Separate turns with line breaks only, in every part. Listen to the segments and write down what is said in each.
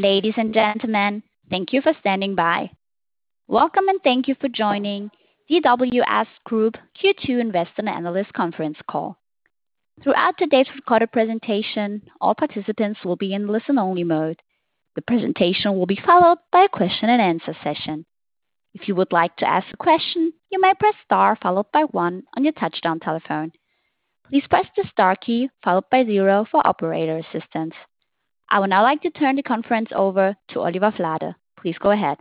Ladies and gentlemen, thank you for standing by. Welcome and thank you for joining DWS Group Q2 Investor Analyst Conference Call. Throughout today's recorded presentation, all participants will be in listen-only mode. The presentation will be followed by a question-and-answer session. If you would like to ask a question, you may press star followed by one on your touch-tone telephone. Please press the star key followed by zero for operator assistance. I would now like to turn the conference over to Oliver Flade. Please go ahead.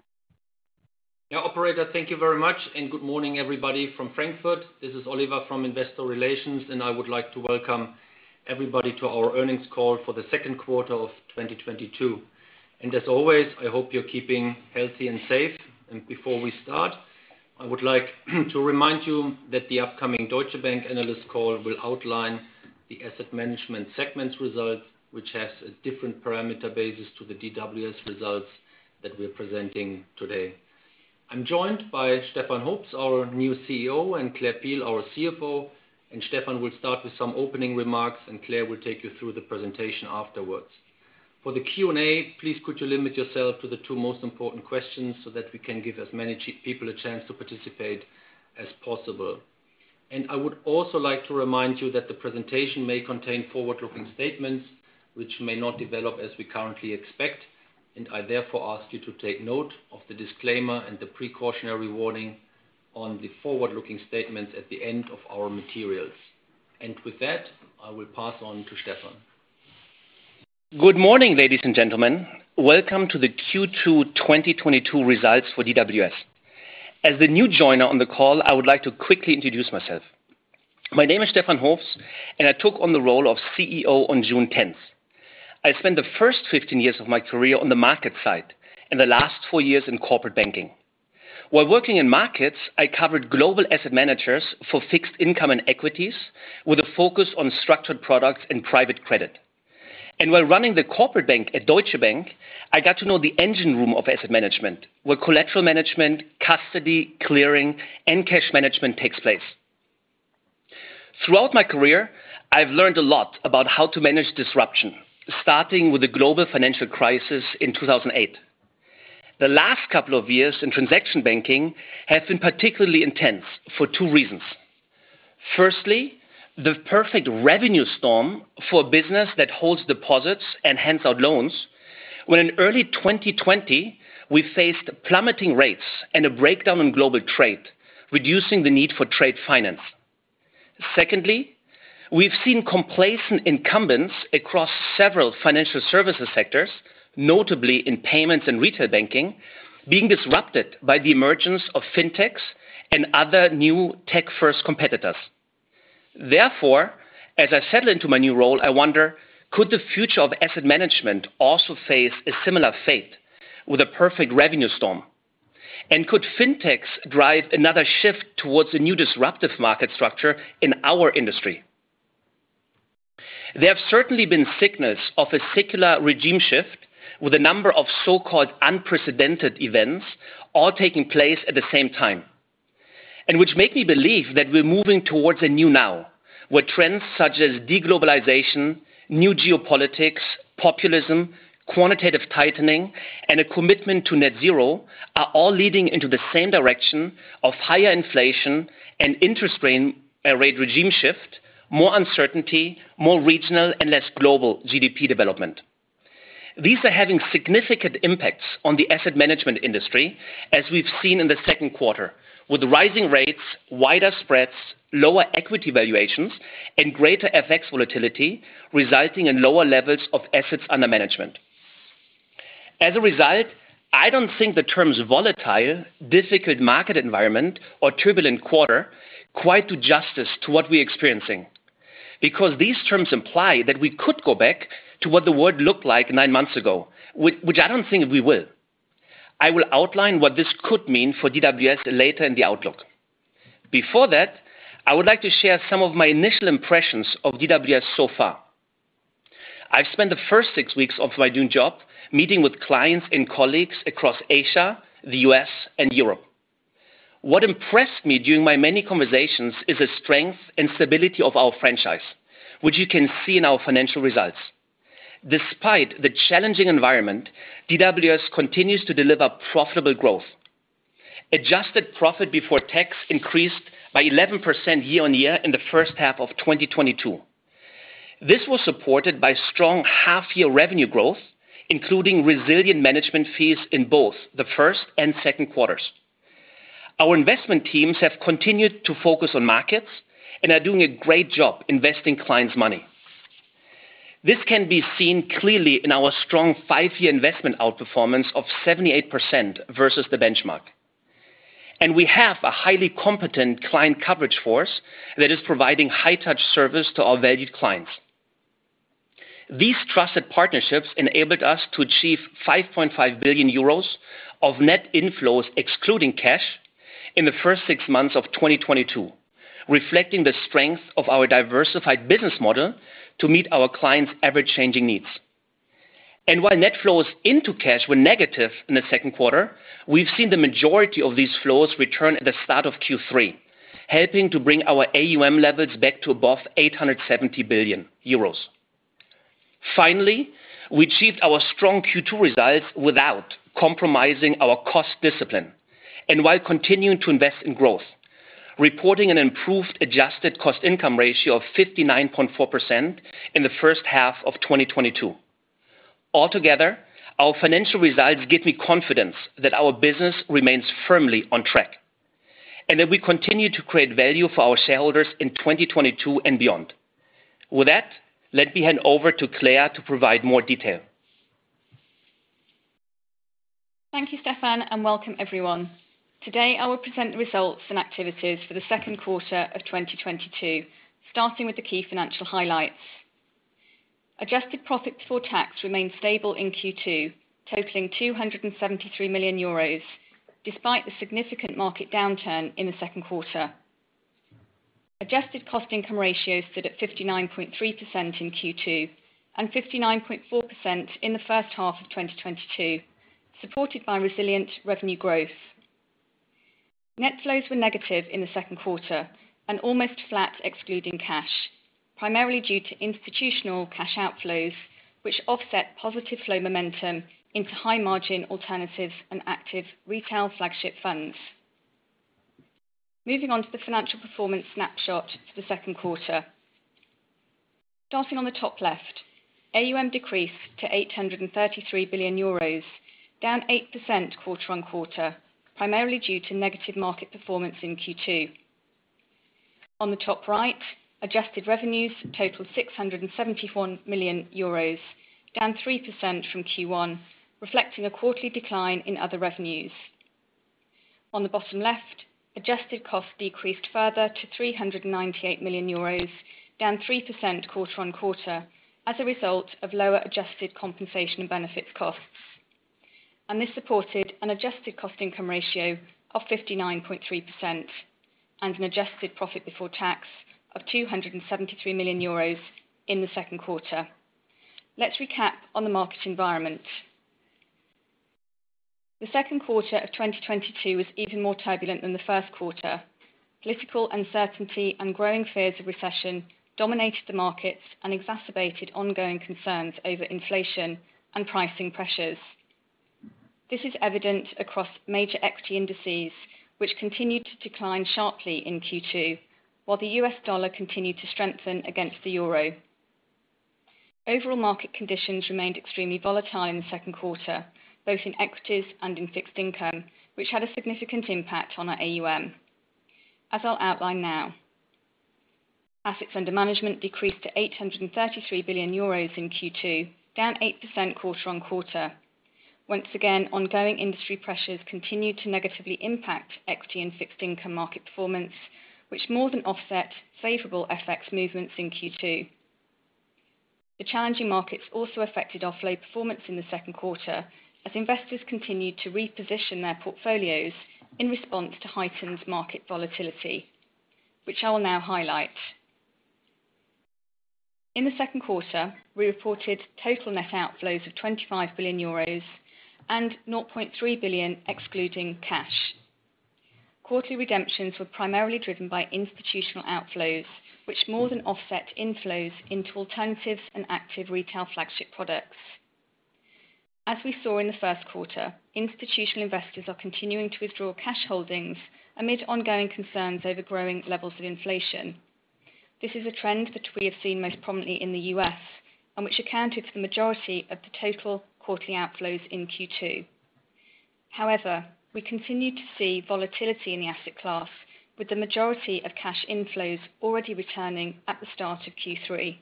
Yeah. Operator, thank you very much, and good morning, everybody from Frankfurt. This is Oliver from Investor Relations, and I would like to welcome everybody to our earnings call for the second quarter of 2022. As always, I hope you're keeping healthy and safe. Before we start, I would like to remind you that the upcoming Deutsche Bank analyst call will outline the asset management segment's results, which has a different parameter basis to the DWS results that we're presenting today. I'm joined by Stefan Hoops, our new CEO, and Claire Peel, our CFO, and Stefan will start with some opening remarks, and Claire will take you through the presentation afterwards. For the Q&A, please could you limit yourself to the two most important questions so that we can give as many people a chance to participate as possible. I would also like to remind you that the presentation may contain forward-looking statements which may not develop as we currently expect, and I therefore ask you to take note of the disclaimer and the precautionary warning on the forward-looking statements at the end of our materials. With that, I will pass on to Stefan.
Good morning, ladies and gentlemen. Welcome to the Q2 2022 results for DWS. As the new joiner on the call, I would like to quickly introduce myself. My name is Stefan Hoops, and I took on the role of CEO on June tenth. I spent the first 15 years of my career on the market side and the last four years in corporate banking. While working in markets, I covered global asset managers for fixed income and equities with a focus on structured products and private credit. While running the corporate bank at Deutsche Bank, I got to know the engine room of asset management, where collateral management, custody, clearing, and cash management takes place. Throughout my career, I've learned a lot about how to manage disruption, starting with the global financial crisis in 2008. The last couple of years in transaction banking has been particularly intense for two reasons. Firstly, the perfect revenue storm for a business that holds deposits and hands out loans, when in early 2020 we faced plummeting rates and a breakdown in global trade, reducing the need for trade finance. Secondly, we've seen complacent incumbents across several financial services sectors, notably in payments and retail banking, being disrupted by the emergence of fintechs and other new tech-first competitors. Therefore, as I settle into my new role, I wonder, could the future of asset management also face a similar fate with a perfect revenue storm? Could fintechs drive another shift towards a new disruptive market structure in our industry? There have certainly been signals of a secular regime shift with a number of so-called unprecedented events all taking place at the same time. Which make me believe that we're moving towards a new normal, where trends such as de-globalization, new geopolitics, populism, quantitative tightening, and a commitment to net zero are all leading into the same direction of higher inflation and interest rate regime shift, more uncertainty, more regional and less global GDP development. These are having significant impacts on the asset management industry, as we've seen in the second quarter, with rising rates, wider spreads, lower equity valuations, and greater FX volatility, resulting in lower levels of assets under management. As a result, I don't think the terms volatile, difficult market environment, or turbulent quarter quite do justice to what we're experiencing, because these terms imply that we could go back to what the world looked like nine months ago, which I don't think we will. I will outline what this could mean for DWS later in the outlook. Before that, I would like to share some of my initial impressions of DWS so far. I've spent the first six weeks of my new job meeting with clients and colleagues across Asia, the U.S., and Europe. What impressed me during my many conversations is the strength and stability of our franchise, which you can see in our financial results. Despite the challenging environment, DWS continues to deliver profitable growth. Adjusted profit before tax increased by 11% year-on-year in the H1 of 2022. This was supported by strong half-year revenue growth, including resilient management fees in both the first and second quarters. Our investment teams have continued to focus on markets and are doing a great job investing clients' money. This can be seen clearly in our strong 5-year investment outperformance of 78% versus the benchmark. We have a highly competent client coverage force that is providing high touch service to our valued clients. These trusted partnerships enabled us to achieve 5.5 billion euros of net inflows, excluding cash, in the first six months of 2022, reflecting the strength of our diversified business model to meet our clients' ever-changing needs. While net flows into cash were negative in the second quarter, we've seen the majority of these flows return at the start of Q3, helping to bring our AUM levels back to above 870 billion euros. Finally, we achieved our strong Q2 results without compromising our cost discipline and while continuing to invest in growth, reporting an improved adjusted cost income ratio of 59.4% in the H1 of 2022. Altogether, our financial results give me confidence that our business remains firmly on track and that we continue to create value for our shareholders in 2022 and beyond. With that, let me hand over to Claire to provide more detail.
Thank you, Stefan, and welcome everyone. Today, I will present the results and activities for the second quarter of 2022, starting with the key financial highlights. Adjusted profit before tax remained stable in Q2, totaling EUR 273 million, despite the significant market downturn in the second quarter. Adjusted cost income ratio stood at 59.3% in Q2 and 59.4% in the H1 of 2022, supported by resilient revenue growth. Net flows were negative in the second quarter and almost flat excluding cash, primarily due to institutional cash outflows, which offset positive flow momentum into high-margin alternatives and active retail flagship funds. Moving on to the financial performance snapshot for the second quarter. Starting on the top left, AUM decreased to 833 billion euros, down 8% quarter on quarter, primarily due to negative market performance in Q2. On the top right, adjusted revenues totaled 674 million euros, down 3% from Q1, reflecting a quarterly decline in other revenues. On the bottom left, adjusted costs decreased further to 398 million euros, down 3% quarter-on-quarter as a result of lower adjusted compensation and benefits costs. This supported an adjusted cost income ratio of 59.3% and an adjusted profit before tax of 273 million euros in the second quarter. Let's recap on the market environment. The second quarter of 2022 was even more turbulent than the first quarter. Political uncertainty and growing fears of recession dominated the markets and exacerbated ongoing concerns over inflation and pricing pressures. This is evident across major equity indices, which continued to decline sharply in Q2, while the U.S. dollar continued to strengthen against the euro. Overall market conditions remained extremely volatile in the second quarter, both in equities and in fixed income, which had a significant impact on our AUM, as I'll outline now. Assets under management decreased to 833 billion euros in Q2, down 8% quarter-over-quarter. Once again, ongoing industry pressures continued to negatively impact equity and fixed income market performance, which more than offset favorable FX movements in Q2. The challenging markets also affected our flow performance in the second quarter as investors continued to reposition their portfolios in response to heightened market volatility, which I will now highlight. In the second quarter, we reported total net outflows of 25 billion euros and 0.3 billion excluding cash. Quarterly redemptions were primarily driven by institutional outflows, which more than offset inflows into alternatives and active retail flagship products. As we saw in the first quarter, institutional investors are continuing to withdraw cash holdings amid ongoing concerns over growing levels of inflation. This is a trend that we have seen most prominently in the U.S. and which accounted for the majority of the total quarterly outflows in Q2. However, we continued to see volatility in the asset class, with the majority of cash inflows already returning at the start of Q3.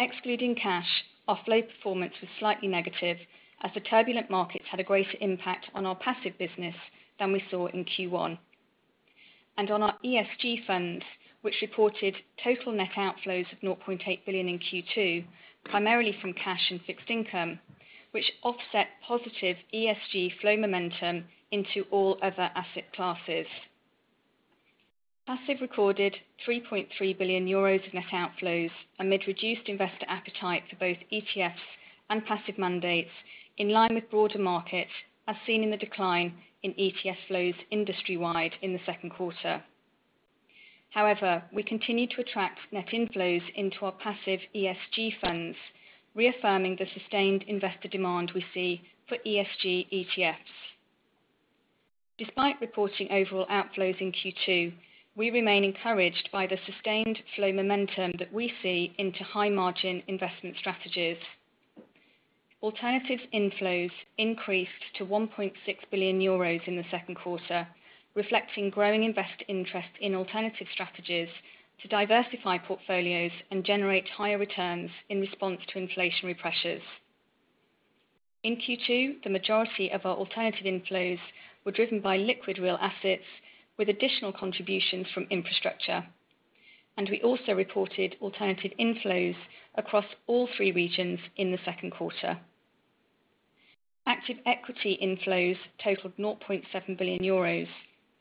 Excluding cash, our flow performance was slightly negative as the turbulent markets had a greater impact on our passive business than we saw in Q1. On our ESG funds, which reported total net outflows of 0.8 billion in Q2, primarily from cash and fixed income, which offset positive ESG flow momentum into all other asset classes. Passive recorded 3.3 Billion euros of net outflows amid reduced investor appetite for both ETFs and passive mandates in line with broader markets, as seen in the decline in ETF flows industry-wide in the second quarter. However, we continued to attract net inflows into our passive ESG funds, reaffirming the sustained investor demand we see for ESG ETFs. Despite reporting overall outflows in Q2, we remain encouraged by the sustained flow momentum that we see into high-margin investment strategies. Alternatives inflows increased to 1.6 billion euros in the second quarter, reflecting growing investor interest in alternative strategies to diversify portfolios and generate higher returns in response to inflationary pressures. In Q2, the majority of our alternative inflows were driven by liquid real assets with additional contributions from infrastructure. We also reported alternative inflows across all three regions in the second quarter. Active equity inflows totaled 0.7 billion euros,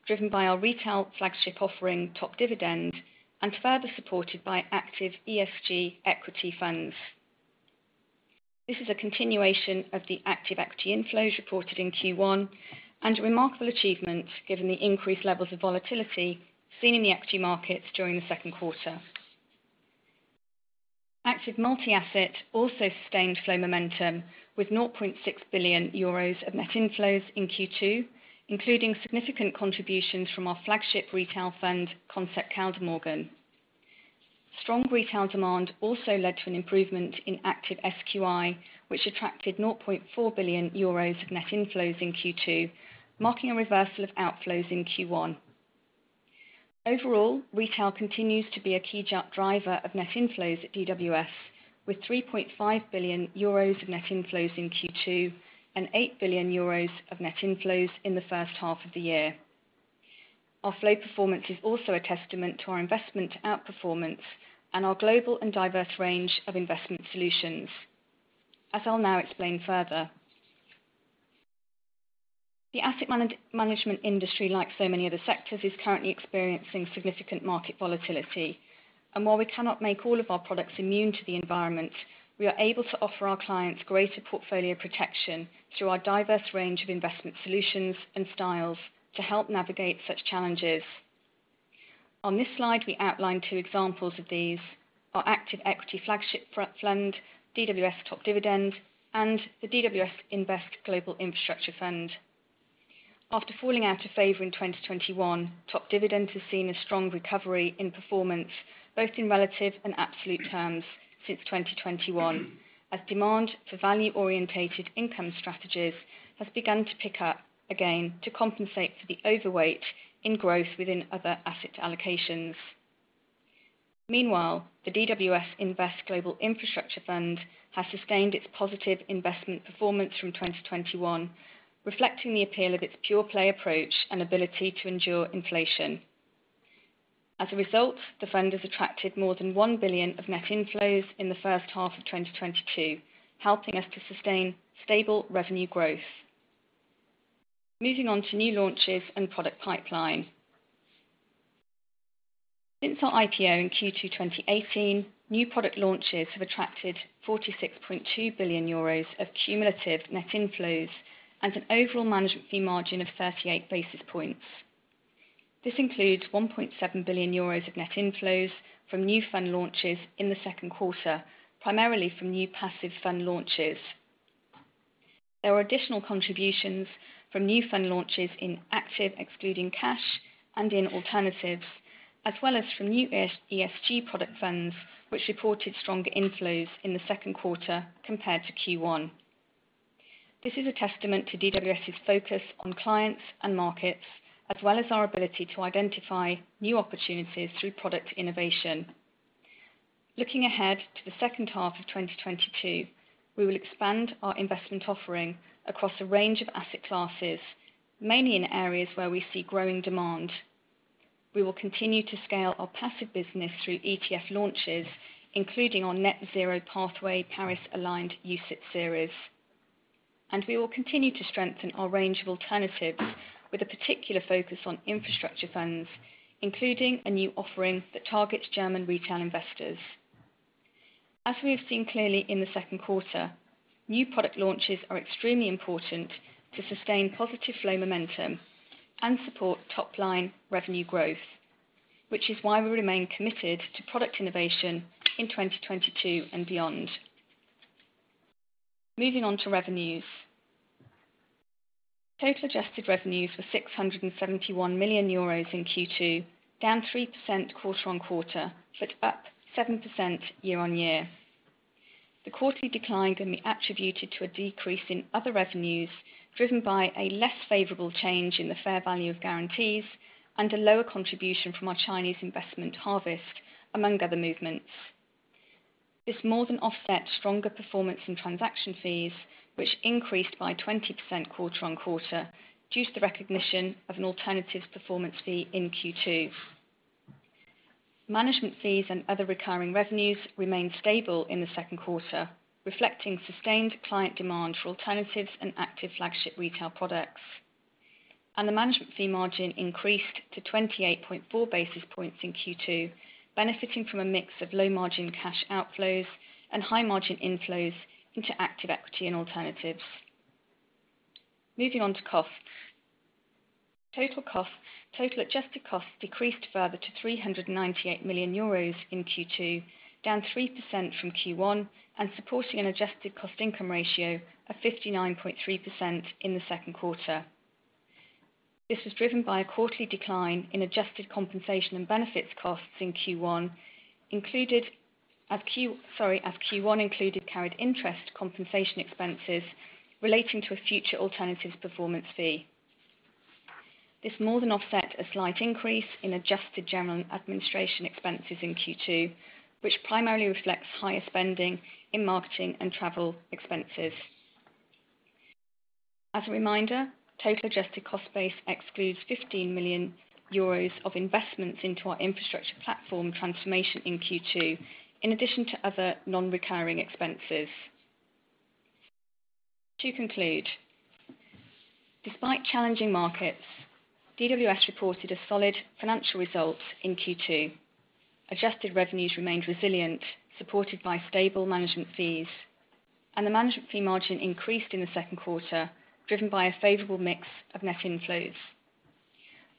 driven by our retail flagship offering, Top Dividende, and further supported by active ESG equity funds. This is a continuation of the active equity inflows reported in Q1 and a remarkable achievement given the increased levels of volatility seen in the equity markets during the second quarter. Active multi-asset also sustained flow momentum with 0.6 billion euros of net inflows in Q2, including significant contributions from our flagship retail fund, Concept Kaldemorgen. Strong retail demand also led to an improvement in active SQI, which attracted 0.4 billion euros of net inflows in Q2, marking a reversal of outflows in Q1. Overall, retail continues to be a key driver of net inflows at DWS, with 3.5 billion euros of net inflows in Q2 and 8 billion euros of net inflows in the H1 of the year. Our flow performance is also a testament to our investment outperformance and our global and diverse range of investment solutions, as I'll now explain further. The asset management industry, like so many other sectors, is currently experiencing significant market volatility. While we cannot make all of our products immune to the environment, we are able to offer our clients greater portfolio protection through our diverse range of investment solutions and styles to help navigate such challenges. On this slide, we outline two examples of these: our active equity flagship fund, DWS Top Dividende, and the DWS Invest Global Infrastructure Fund. After falling out of favor in 2021, DWS Top Dividende has seen a strong recovery in performance, both in relative and absolute terms since 2021, as demand for value-oriented income strategies has begun to pick up again to compensate for the overweight in growth within other asset allocations. Meanwhile, the DWS Invest Global Infrastructure Fund has sustained its positive investment performance from 2021, reflecting the appeal of its pure-play approach and ability to endure inflation. As a result, the fund has attracted more than 1 billion of net inflows in theH1 of 2022, helping us to sustain stable revenue growth. Moving on to new launches and product pipeline. Since our IPO in Q2 2018, new product launches have attracted 46.2 billion euros of cumulative net inflows and an overall management fee margin of 38 basis points. This includes 1.7 billion euros of net inflows from new fund launches in the second quarter, primarily from new passive fund launches. There were additional contributions from new fund launches in active, excluding cash and in alternatives, as well as from new ESG product funds, which reported stronger inflows in the second quarter compared to Q1. This is a testament to DWS's focus on clients and markets, as well as our ability to identify new opportunities through product innovation. Looking ahead to the second half of 2022, we will expand our investment offering across a range of asset classes, mainly in areas where we see growing demand. We will continue to scale our passive business through ETF launches, including our Net Zero Pathway Paris Aligned UCITS series. We will continue to strengthen our range of alternatives with a particular focus on infrastructure funds, including a new offering that targets German retail investors. As we have seen clearly in the second quarter, new product launches are extremely important to sustain positive flow momentum and support top-line revenue growth, which is why we remain committed to product innovation in 2022 and beyond. Moving on to revenues. Total adjusted revenues were 671 million euros in Q2, down 3% quarter-on-quarter, but up 7% year-on-year. The quarterly decline can be attributed to a decrease in other revenues, driven by a less favorable change in the fair value of guarantees and a lower contribution from our Chinese investment Harvest, among other movements. This more than offset stronger performance in transaction fees, which increased by 20% quarter-on-quarter due to the recognition of an alternatives performance fee in Q2. Management fees and other recurring revenues remained stable in the second quarter, reflecting sustained client demand for alternatives and active flagship retail products. The management fee margin increased to 28.4 basis points in Q2, benefiting from a mix of low-margin cash outflows and high-margin inflows into active equity and alternatives. Moving on to costs. Total adjusted costs decreased further to 398 million euros in Q2, down 3% from Q1 and supporting an adjusted cost income ratio of 59.3% in the second quarter. This was driven by a quarterly decline in adjusted compensation and benefits costs in Q1, included. As Q1 included carried interest compensation expenses relating to a future alternatives performance fee. This more than offset a slight increase in adjusted general and administrative expenses in Q2, which primarily reflects higher spending in marketing and travel expenses. As a reminder, total adjusted cost base excludes 15 million euros of investments into our infrastructure platform transformation in Q2, in addition to other non-recurring expenses. To conclude. Despite challenging markets, DWS reported a solid financial result in Q2. Adjusted revenues remained resilient, supported by stable management fees, and the management fee margin increased in the second quarter, driven by a favorable mix of net inflows.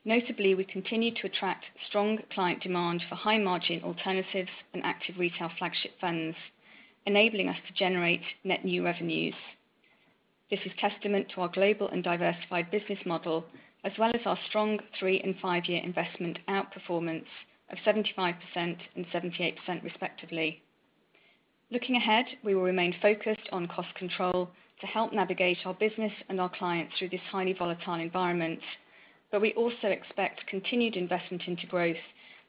Notably, we continued to attract strong client demand for high margin alternatives and active retail flagship funds, enabling us to generate net new revenues. This is testament to our global and diversified business model, as well as our strong three-year and five-year investment outperformance of 75% and 78% respectively. Looking ahead, we will remain focused on cost control to help navigate our business and our clients through this highly volatile environment. We also expect continued investment into growth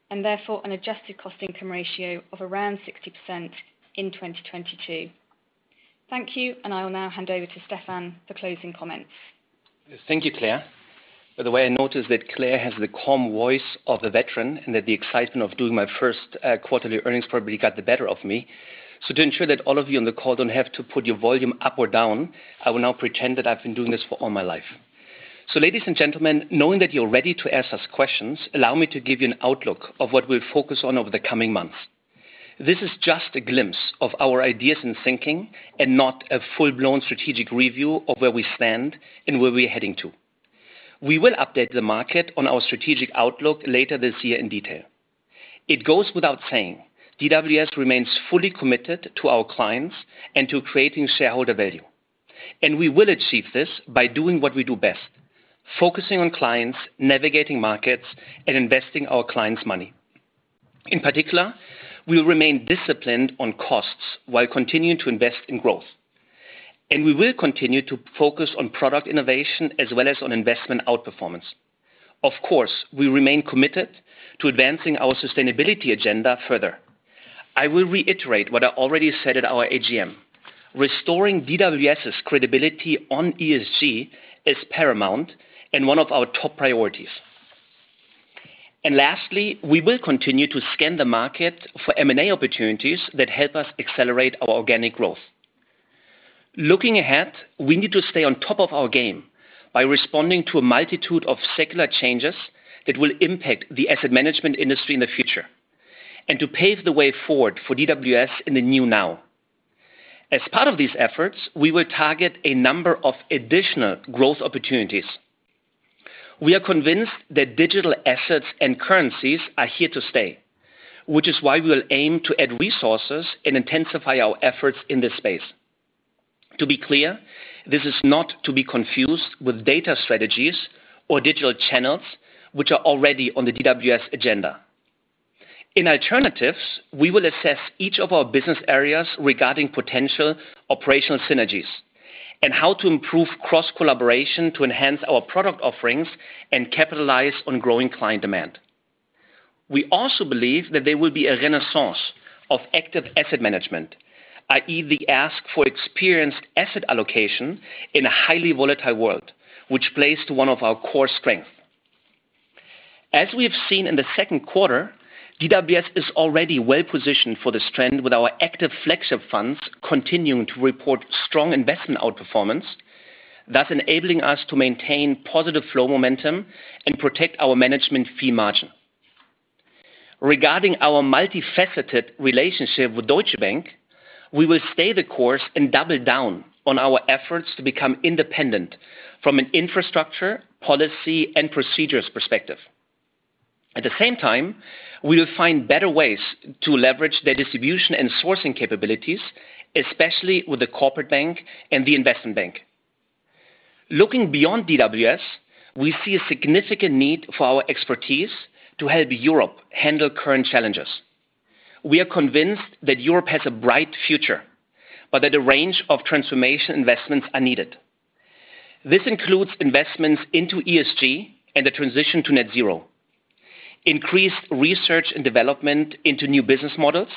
and therefore an adjusted cost income ratio of around 60% in 2022. Thank you, and I will now hand over to Stefan for closing comments.
Thank you, Claire. By the way, I noticed that Claire has the calm voice of a veteran and that the excitement of doing my first quarterly earnings probably got the better of me. To ensure that all of you on the call don't have to put your volume up or down, I will now pretend that I've been doing this for all my life. Ladies and gentlemen, knowing that you're ready to ask us questions, allow me to give you an outlook of what we'll focus on over the coming months. This is just a glimpse of our ideas and thinking, and not a full-blown strategic review of where we stand and where we're heading to. We will update the market on our strategic outlook later this year in detail. It goes without saying, DWS remains fully committed to our clients and to creating shareholder value. We will achieve this by doing what we do best, focusing on clients, navigating markets, and investing our clients' money. In particular, we'll remain disciplined on costs while continuing to invest in growth. We will continue to focus on product innovation as well as on investment outperformance. Of course, we remain committed to advancing our sustainability agenda further. I will reiterate what I already said at our AGM. Restoring DWS's credibility on ESG is paramount and one of our top priorities. Lastly, we will continue to scan the market for M&A opportunities that help us accelerate our organic growth. Looking ahead, we need to stay on top of our game by responding to a multitude of secular changes that will impact the asset management industry in the future and to pave the way forward for DWS in the new now. As part of these efforts, we will target a number of additional growth opportunities. We are convinced that digital assets and currencies are here to stay, which is why we will aim to add resources and intensify our efforts in this space. To be clear, this is not to be confused with data strategies or digital channels, which are already on the DWS agenda. In alternatives, we will assess each of our business areas regarding potential operational synergies and how to improve cross-collaboration to enhance our product offerings and capitalize on growing client demand. We also believe that there will be a renaissance of active asset management, i.e. the ask for experienced asset allocation in a highly volatile world, which plays to one of our core strength. As we have seen in the second quarter, DWS is already well-positioned for this trend with our active flagship funds continuing to report strong investment outperformance, thus enabling us to maintain positive flow momentum and protect our management fee margin. Regarding our multifaceted relationship with Deutsche Bank, we will stay the course and double down on our efforts to become independent from an infrastructure, policy, and procedures perspective. At the same time, we will find better ways to leverage their distribution and sourcing capabilities, especially with the corporate bank and the investment bank. Looking beyond DWS, we see a significant need for our expertise to help Europe handle current challenges. We are convinced that Europe has a bright future, but that a range of transformation investments are needed. This includes investments into ESG and the transition to net zero. Increased research and development into new business models,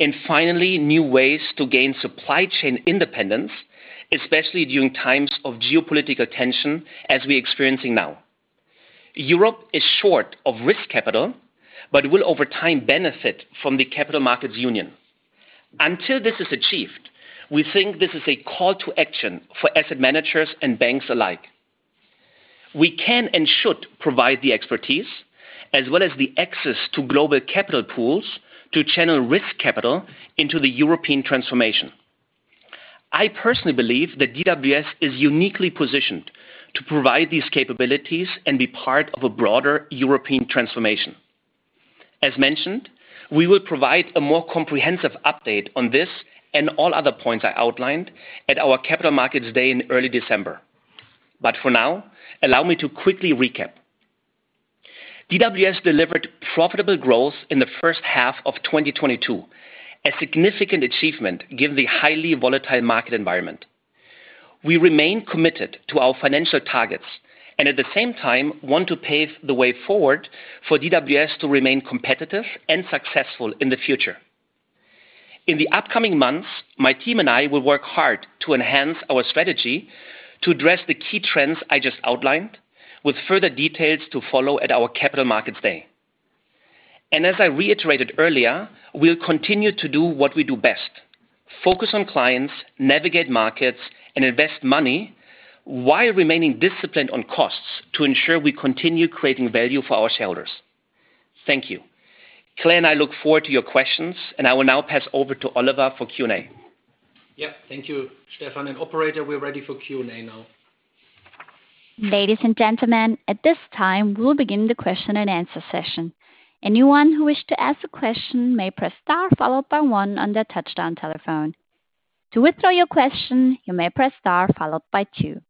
and finally, new ways to gain supply chain independence, especially during times of geopolitical tension as we're experiencing now. Europe is short of risk capital, but will over time benefit from the Capital Markets Union. Until this is achieved, we think this is a call to action for asset managers and banks alike. We can and should provide the expertise as well as the access to global capital pools to channel risk capital into the European transformation. I personally believe that DWS is uniquely positioned to provide these capabilities and be part of a broader European transformation. As mentioned, we will provide a more comprehensive update on this and all other points I outlined at our Capital Markets Day in early December. For now, allow me to quickly recap. DWS delivered profitable growth in the H1 of 2022, a significant achievement given the highly volatile market environment. We remain committed to our financial targets and at the same time, want to pave the way forward for DWS to remain competitive and successful in the future. In the upcoming months, my team and I will work hard to enhance our strategy to address the key trends I just outlined with further details to follow at our Capital Markets Day. As I reiterated earlier, we'll continue to do what we do best, focus on clients, navigate markets, and invest money while remaining disciplined on costs to ensure we continue creating value for our shareholders. Thank you. Claire and I look forward to your questions, and I will now pass over to Oliver for Q&A.
Yeah. Thank you, Stefan. Operator, we're ready for Q&A now.
Ladies and gentlemen, at this time, we'll begin the question and answer session. Anyone who wishes to ask a question may press star followed by one on their touch-tone telephone. To withdraw your question, you may press star followed by two.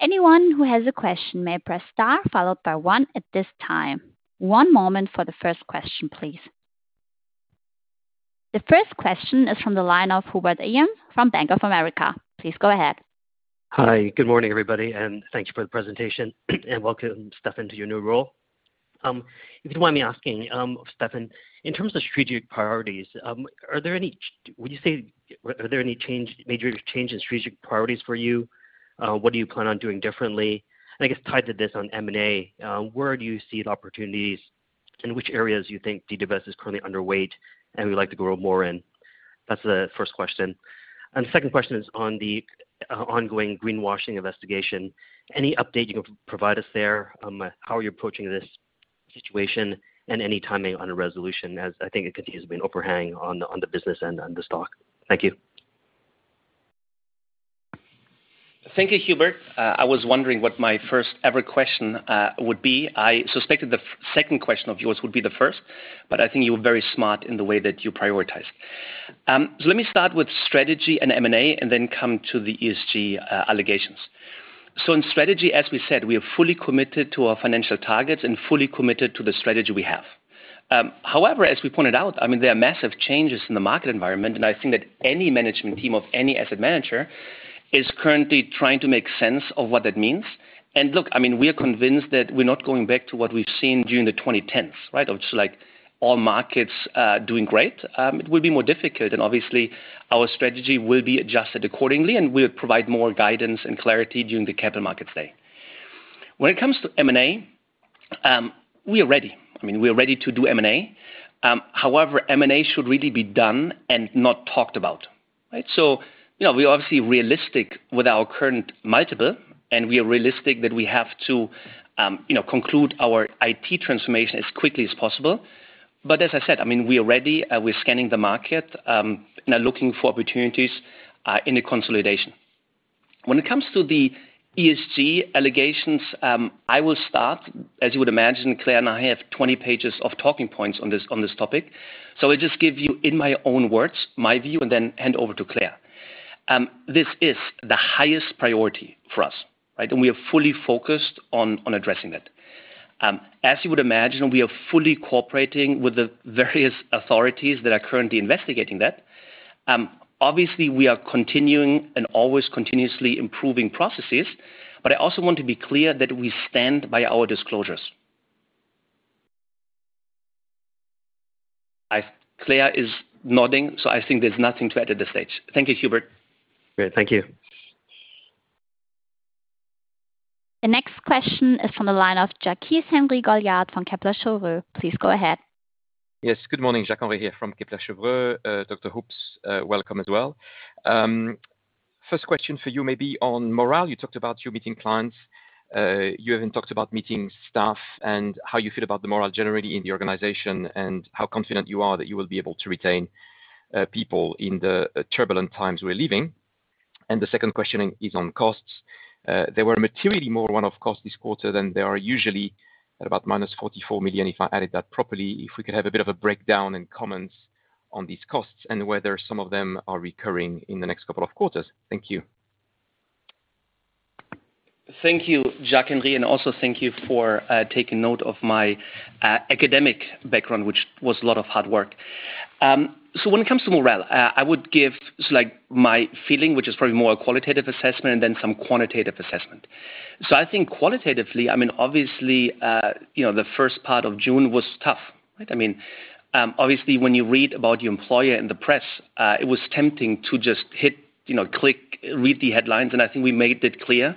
Anyone who has a question may press star followed by one at this time. One moment for the first question, please. The first question is from the line of Hubert Lam from Bank of America. Please go ahead.
Hi. Good morning, everybody, and thank you for the presentation. Welcome, Stefan, to your new role. If you don't mind me asking, Stefan, in terms of strategic priorities, are there any major change in strategic priorities for you? What do you plan on doing differently? I guess tied to this on M&A, where do you see the opportunities? In which areas do you think DWS is currently underweight and would like to grow more in? That's the first question. Second question is on the ongoing greenwashing investigation. Any update you can provide us there on how you're approaching this situation and any timing on a resolution, as I think it continues to be an overhang on the business end and the stock. Thank you.
Thank you, Hubert. I was wondering what my first ever question would be. I suspected the second question of yours would be the first, but I think you were very smart in the way that you prioritize. Let me start with strategy and M&A and then come to the ESG allegations. In strategy, as we said, we are fully committed to our financial targets and fully committed to the strategy we have. However, as we pointed out, I mean, there are massive changes in the market environment, and I think that any management team of any asset manager is currently trying to make sense of what that means. Look, I mean, we are convinced that we're not going back to what we've seen during the 2010s, right? Of just like all markets doing great. It will be more difficult and obviously our strategy will be adjusted accordingly, and we'll provide more guidance and clarity during the Capital Markets Day. When it comes to M&A, we are ready. I mean, we are ready to do M&A. However, M&A should really be done and not talked about, right, so you know, we're obviously realistic with our current multiple, and we are realistic that we have to, you know, conclude our IT transformation as quickly as possible. As I said, I mean, we are ready, we're scanning the market, and are looking for opportunities, in the consolidation. When it comes to the ESG allegations, I will start. As you would imagine, Claire and I have 20 pages of talking points on this, on this topic. I'll just give you in my own words, my view, and then hand over to Claire. This is the highest priority for us, right? We are fully focused on addressing that. As you would imagine, we are fully cooperating with the various authorities that are currently investigating that. Obviously, we are continuing and always continuously improving processes. I also want to be clear that we stand by our disclosures. Claire is nodding, so I think there's nothing to add at this stage. Thank you, Hubert.
Great. Thank you.
The next question is from the line of Jacques-Henri Gaulard from Kepler Cheuvreux. Please go ahead.
Yes. Good morning. Jacques-Henri Gaulard here from Kepler Cheuvreux. Stefan Hoops, welcome as well. First question for you may be on morale. You talked about you meeting clients. You haven't talked about meeting staff and how you feel about the morale generally in the organization, and how confident you are that you will be able to retain people in the turbulent times we're living. The second question is on costs. There were materially more one-off costs this quarter than there are usually at about 44 million, if I added that properly. If we could have a bit of a breakdown and comments on these costs and whether some of them are recurring in the next couple of quarters. Thank you.
Thank you, Jacques-Henri Gaulard, and also thank you for taking note of my academic background, which was a lot of hard work. When it comes to morale, I would give, like, my feeling, which is probably more a qualitative assessment than some quantitative assessment. I think qualitatively, I mean, obviously, you know, the first part of June was tough. Right? I mean, obviously when you read about your employer in the press, it was tempting to just hit, you know, click, read the headlines, and I think we made it clear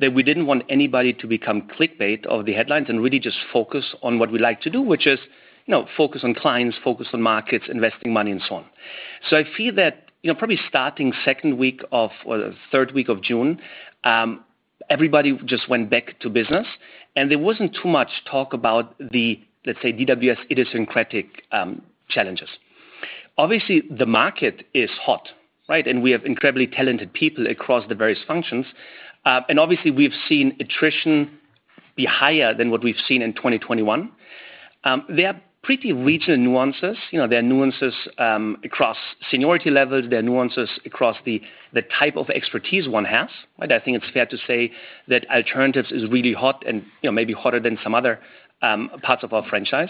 that we didn't want anybody to become clickbait of the headlines and really just focus on what we like to do, which is, you know, focus on clients, focus on markets, investing money, and so on. I feel that, you know, probably starting second week or the third week of June, everybody just went back to business, and there wasn't too much talk about the, let's say, DWS idiosyncratic challenges. Obviously, the market is hot, right? We have incredibly talented people across the various functions. Obviously, we've seen attrition be higher than what we've seen in 2021. There are pretty regional nuances. You know, there are nuances across seniority levels. There are nuances across the type of expertise one has. Right? I think it's fair to say that alternatives is really hot and, you know, maybe hotter than some other parts of our franchise.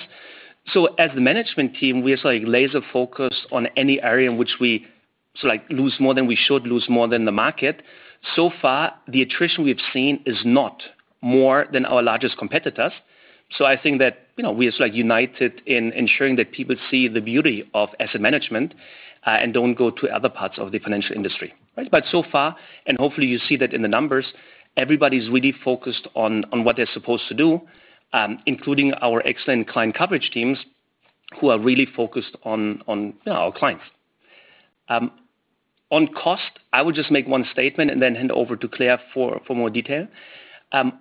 As the management team, we are so laser focused on any area in which we, like, lose more than we should, more than the market. So far, the attrition we've seen is not more than our largest competitors. I think that, you know, we are so, like, united in ensuring that people see the beauty of asset management, and don't go to other parts of the financial industry, right? So far, hopefully you see that in the numbers. Everybody's really focused on what they're supposed to do, including our excellent client coverage teams who are really focused on, you know, our clients. On cost, I would just make one statement and then hand over to Claire for more detail.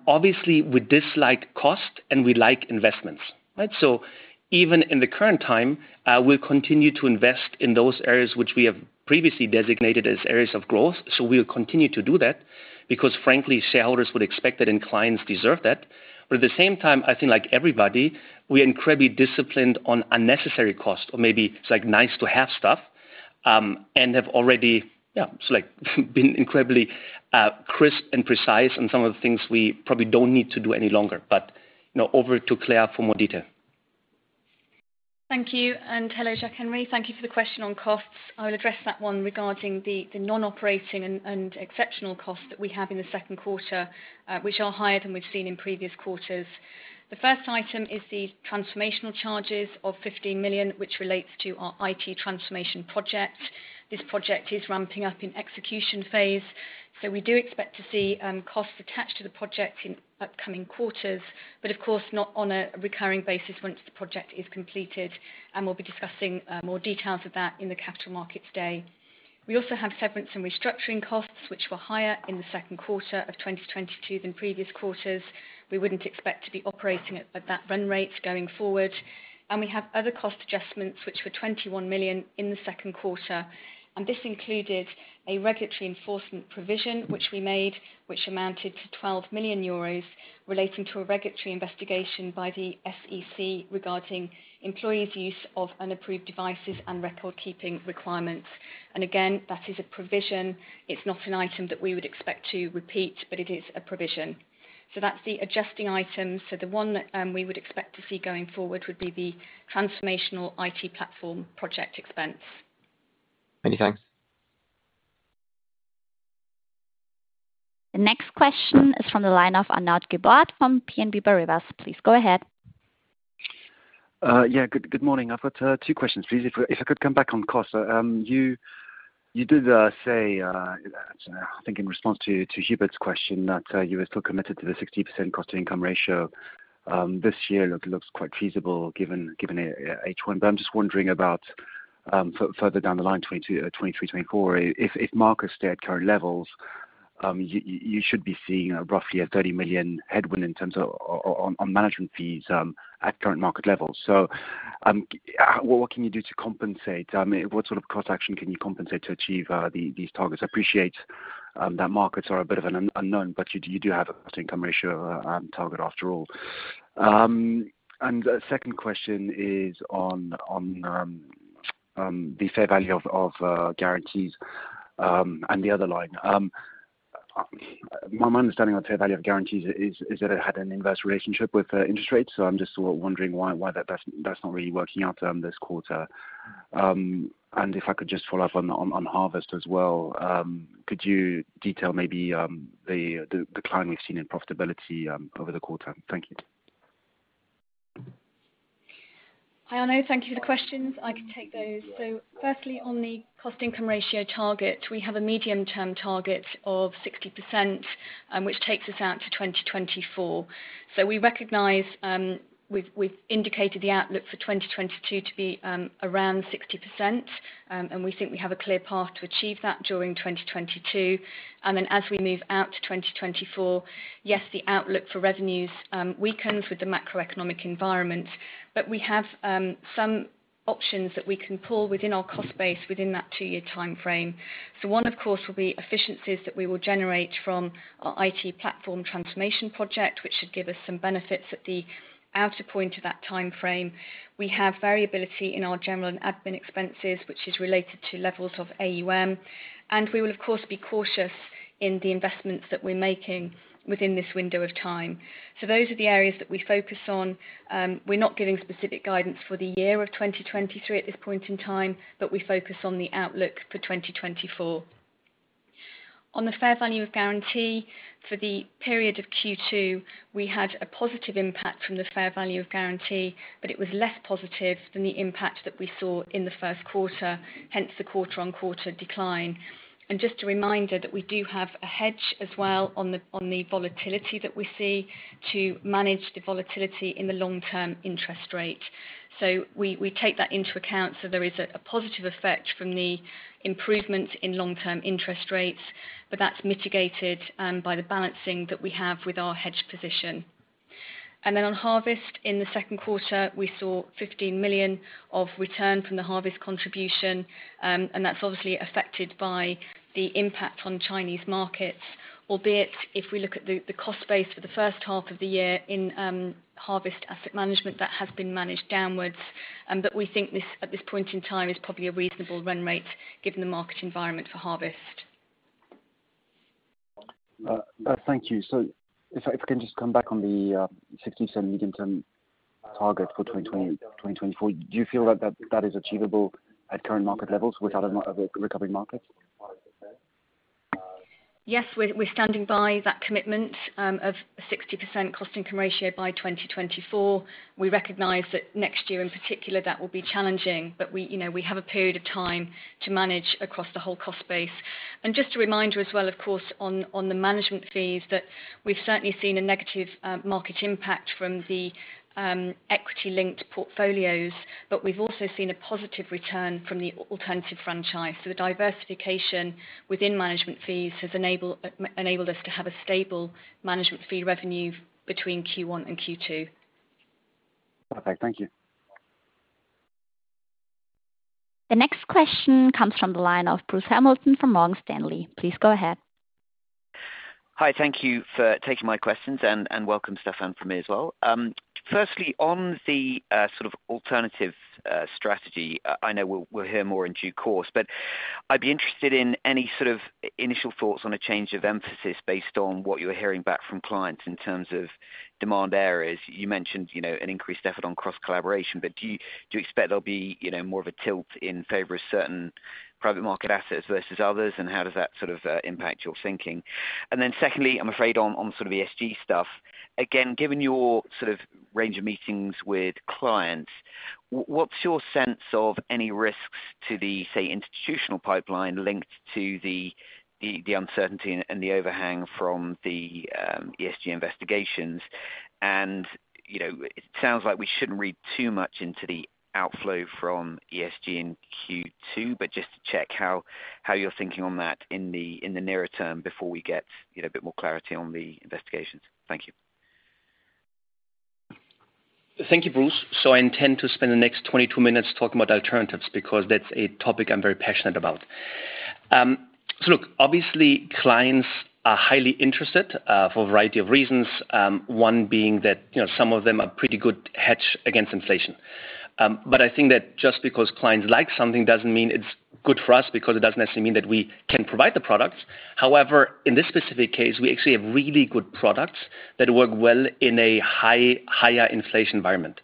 Obviously we dislike cost and we like investments. Right? Even in the current time, we'll continue to invest in those areas which we have previously designated as areas of growth. We'll continue to do that because frankly, shareholders would expect it and clients deserve that. At the same time, I think like everybody, we are incredibly disciplined on unnecessary costs or maybe it's like nice to have stuff, and have already been incredibly crisp and precise on some of the things we probably don't need to do any longer. You know, over to Claire for more detail.
Thank you. Hello, Jacques-Henri. Thank you for the question on costs. I'll address that one regarding the non-operating and exceptional costs that we have in the second quarter, which are higher than we've seen in previous quarters. The first item is the transformational charges of 15 million, which relates to our IT transformation project. This project is ramping up in execution phase, so we do expect to see costs attached to the project in upcoming quarters, but of course not on a recurring basis once the project is completed. We'll be discussing more details of that in the Capital Markets Day. We also have severance and restructuring costs, which were higher in the second quarter of 2022 than previous quarters. We wouldn't expect to be operating at that run rate going forward. We have other cost adjustments, which were 21 million in the second quarter. This included a regulatory enforcement provision which we made, which amounted to 12 million euros relating to a regulatory investigation by the SEC regarding employees' use of unapproved devices and recordkeeping requirements. Again, that is a provision. It's not an item that we would expect to repeat, but it is a provision. That's the adjusting item. The one we would expect to see going forward would be the transformational IT platform project expense.
Many thanks.
The next question is from the line of Arnaud Giblat from BNP Paribas. Please go ahead.
Yeah. Good morning. I've got two questions, please. If I could come back on cost. You did say, I think in response to Hubert's question that you were still committed to the 60% cost to income ratio this year. Look, it looks quite feasible given H1. I'm just wondering about further down the line, 2022, 2023, 2024. If markets stay at current levels, you should be seeing roughly a 30 million headwind in terms of management fees at current market levels. What can you do to compensate? I mean, what sort of cost action can you take to achieve these targets? I appreciate that markets are a bit of an unknown, but you do have a cost-income ratio target after all. A second question is on the fair value of guarantees and the other line. My understanding on fair value of guarantees is that it had an inverse relationship with interest rates, so I'm just sort of wondering why that's not really working out this quarter. If I could just follow up on Harvest as well. Could you detail maybe the decline we've seen in profitability over the quarter? Thank you.
Hi, Arnaud. Thank you for the questions. I can take those. Firstly, on the cost income ratio target, we have a medium-term target of 60%, which takes us out to 2024. We recognize we've indicated the outlook for 2022 to be around 60%. We think we have a clear path to achieve that during 2022. As we move out to 2024, yes, the outlook for revenues weakens with the macroeconomic environment, but we have some options that we can pull within our cost base within that two-year timeframe. One of course will be efficiencies that we will generate from our IT platform transformation project, which should give us some benefits at the outer point of that timeframe. We have variability in our general and admin expenses, which is related to levels of AUM, and we will of course be cautious in the investments that we're making within this window of time. Those are the areas that we focus on. We're not giving specific guidance for the year of 2023 at this point in time, but we focus on the outlook for 2024. On the fair value of guarantee for the period of Q2, we had a positive impact from the fair value of guarantee, but it was less positive than the impact that we saw in the first quarter, hence the quarter-on-quarter decline. Just a reminder that we do have a hedge as well on the volatility that we see to manage the volatility in the long-term interest rate. We take that into account. There is a positive effect from the improvement in long-term interest rates, but that's mitigated by the balancing that we have with our hedge position. Then on Harvest, in the second quarter we saw 15 million of return from the Harvest contribution. That's obviously affected by the impact on Chinese markets, albeit if we look at the cost base for the H1 of the year in Harvest Fund Management, that has been managed downwards. We think this at this point in time is probably a reasonable run rate given the market environment for Harvest.
Thank you. If I can just come back on the 60% medium-term target for 2020-2024. Do you feel that is achievable at current market levels without a recovering market?
Yes, we're standing by that commitment of 60% cost-income ratio by 2024. We recognize that next year in particular that will be challenging, but we have a period of time to manage across the whole cost base. Just to remind you as well, of course, on the management fees that we've certainly seen a negative market impact from the equity-linked portfolios, but we've also seen a positive return from the alternative franchise. The diversification within management fees has enabled us to have a stable management fee revenue between Q1 and Q2.
Perfect. Thank you.
The next question comes from the line of Bruce Hamilton from Morgan Stanley. Please go ahead.
Hi, thank you for taking my questions, and welcome Stefan for me as well. Firstly on the sort of alternative strategy, I know we'll hear more in due course, but I'd be interested in any sort of initial thoughts on a change of emphasis based on what you're hearing back from clients in terms of demand areas. You mentioned, you know, an increased effort on cross-collaboration, but do you expect there'll be, you know, more of a tilt in favor of certain private market assets versus others and how does that sort of impact your thinking? And then secondly, I'm afraid on sort of ESG stuff, again given your sort of range of meetings with clients, what's your sense of any risks to the, say, institutional pipeline linked to the uncertainty and the overhang from the ESG investigations? You know, it sounds like we shouldn't read too much into the outflow from ESG in Q2, but just to check how you're thinking on that in the nearer term before we get, you know, a bit more clarity on the investigations. Thank you.
Thank you, Bruce. I intend to spend the next 22 minutes talking about alternatives because that's a topic I'm very passionate about. Look, obviously, clients are highly interested for a variety of reasons, one being that, you know, some of them are pretty good hedge against inflation. I think that just because clients like something doesn't mean it's good for us because it doesn't necessarily mean that we can provide the products. However, in this specific case, we actually have really good products that work well in a higher inflation environment.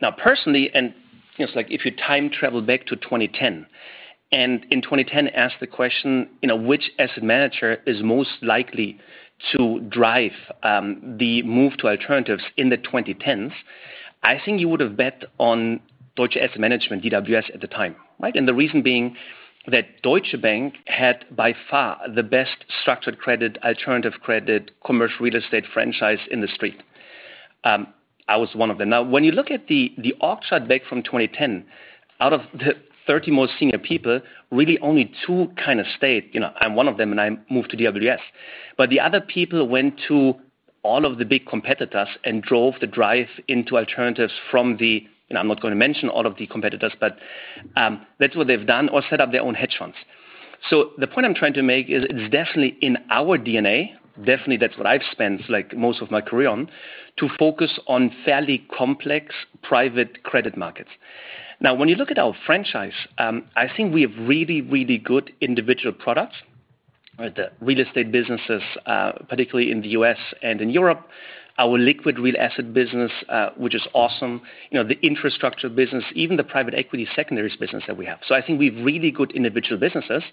Now, personally, you know, it's like if you time travel back to 2010, and in 2010 ask the question, you know, which asset manager is most likely to drive the move to alternatives in the 2010s, I think you would have bet on Deutsche Asset Management, DWS at the time, right. The reason being that Deutsche Bank had by far the best structured credit, alternative credit, commercial real estate franchise in the street. I was one of them. Now, when you look at the org chart back from 2010, out of the 30 most senior people, really only two kind of stayed. You know, I'm one of them, and I moved to DWS. The other people went to all of the big competitors and drove the drive into alternatives from the. You know, I'm not going to mention all of the competitors, but that's what they've done or set up their own hedge funds. The point I'm trying to make is it's definitely in our DNA, definitely that's what I've spent like most of my career on, to focus on fairly complex private credit markets. Now, when you look at our franchise, I think we have really, really good individual products. The real estate businesses, particularly in the U.S. and in Europe. Our liquid real asset business, which is awesome. You know, the infrastructure business, even the private equity secondaries business that we have. I think we've really good individual businesses.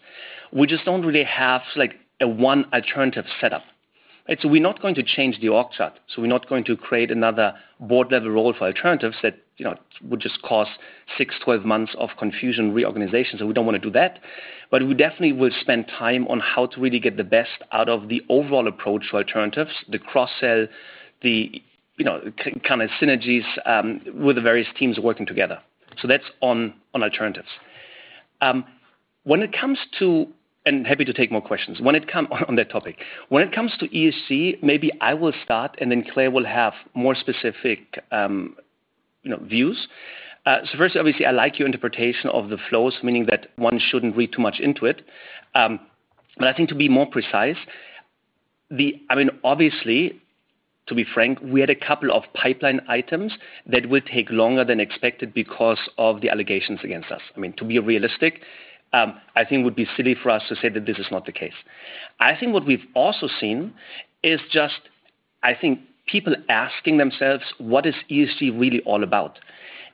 We just don't really have like a one alternative set up. We're not going to change the org chart, so we're not going to create another board-level role for alternatives that would just cost six, 12 months of confusion reorganization. We don't want to do that. We definitely will spend time on how to really get the best out of the overall approach for alternatives, the cross-sell, the kind of synergies with the various teams working together. That's on alternatives. Happy to take more questions on that topic. When it comes to ESG, maybe I will start and then Claire will have more specific views. First, obviously, I like your interpretation of the flows, meaning that one shouldn't read too much into it. I think to be more precise, I mean, obviously, to be frank, we had a couple of pipeline items that will take longer than expected because of the allegations against us. I mean, to be realistic, I think it would be silly for us to say that this is not the case. I think what we've also seen is just, I think people asking themselves, "What is ESG really all about?"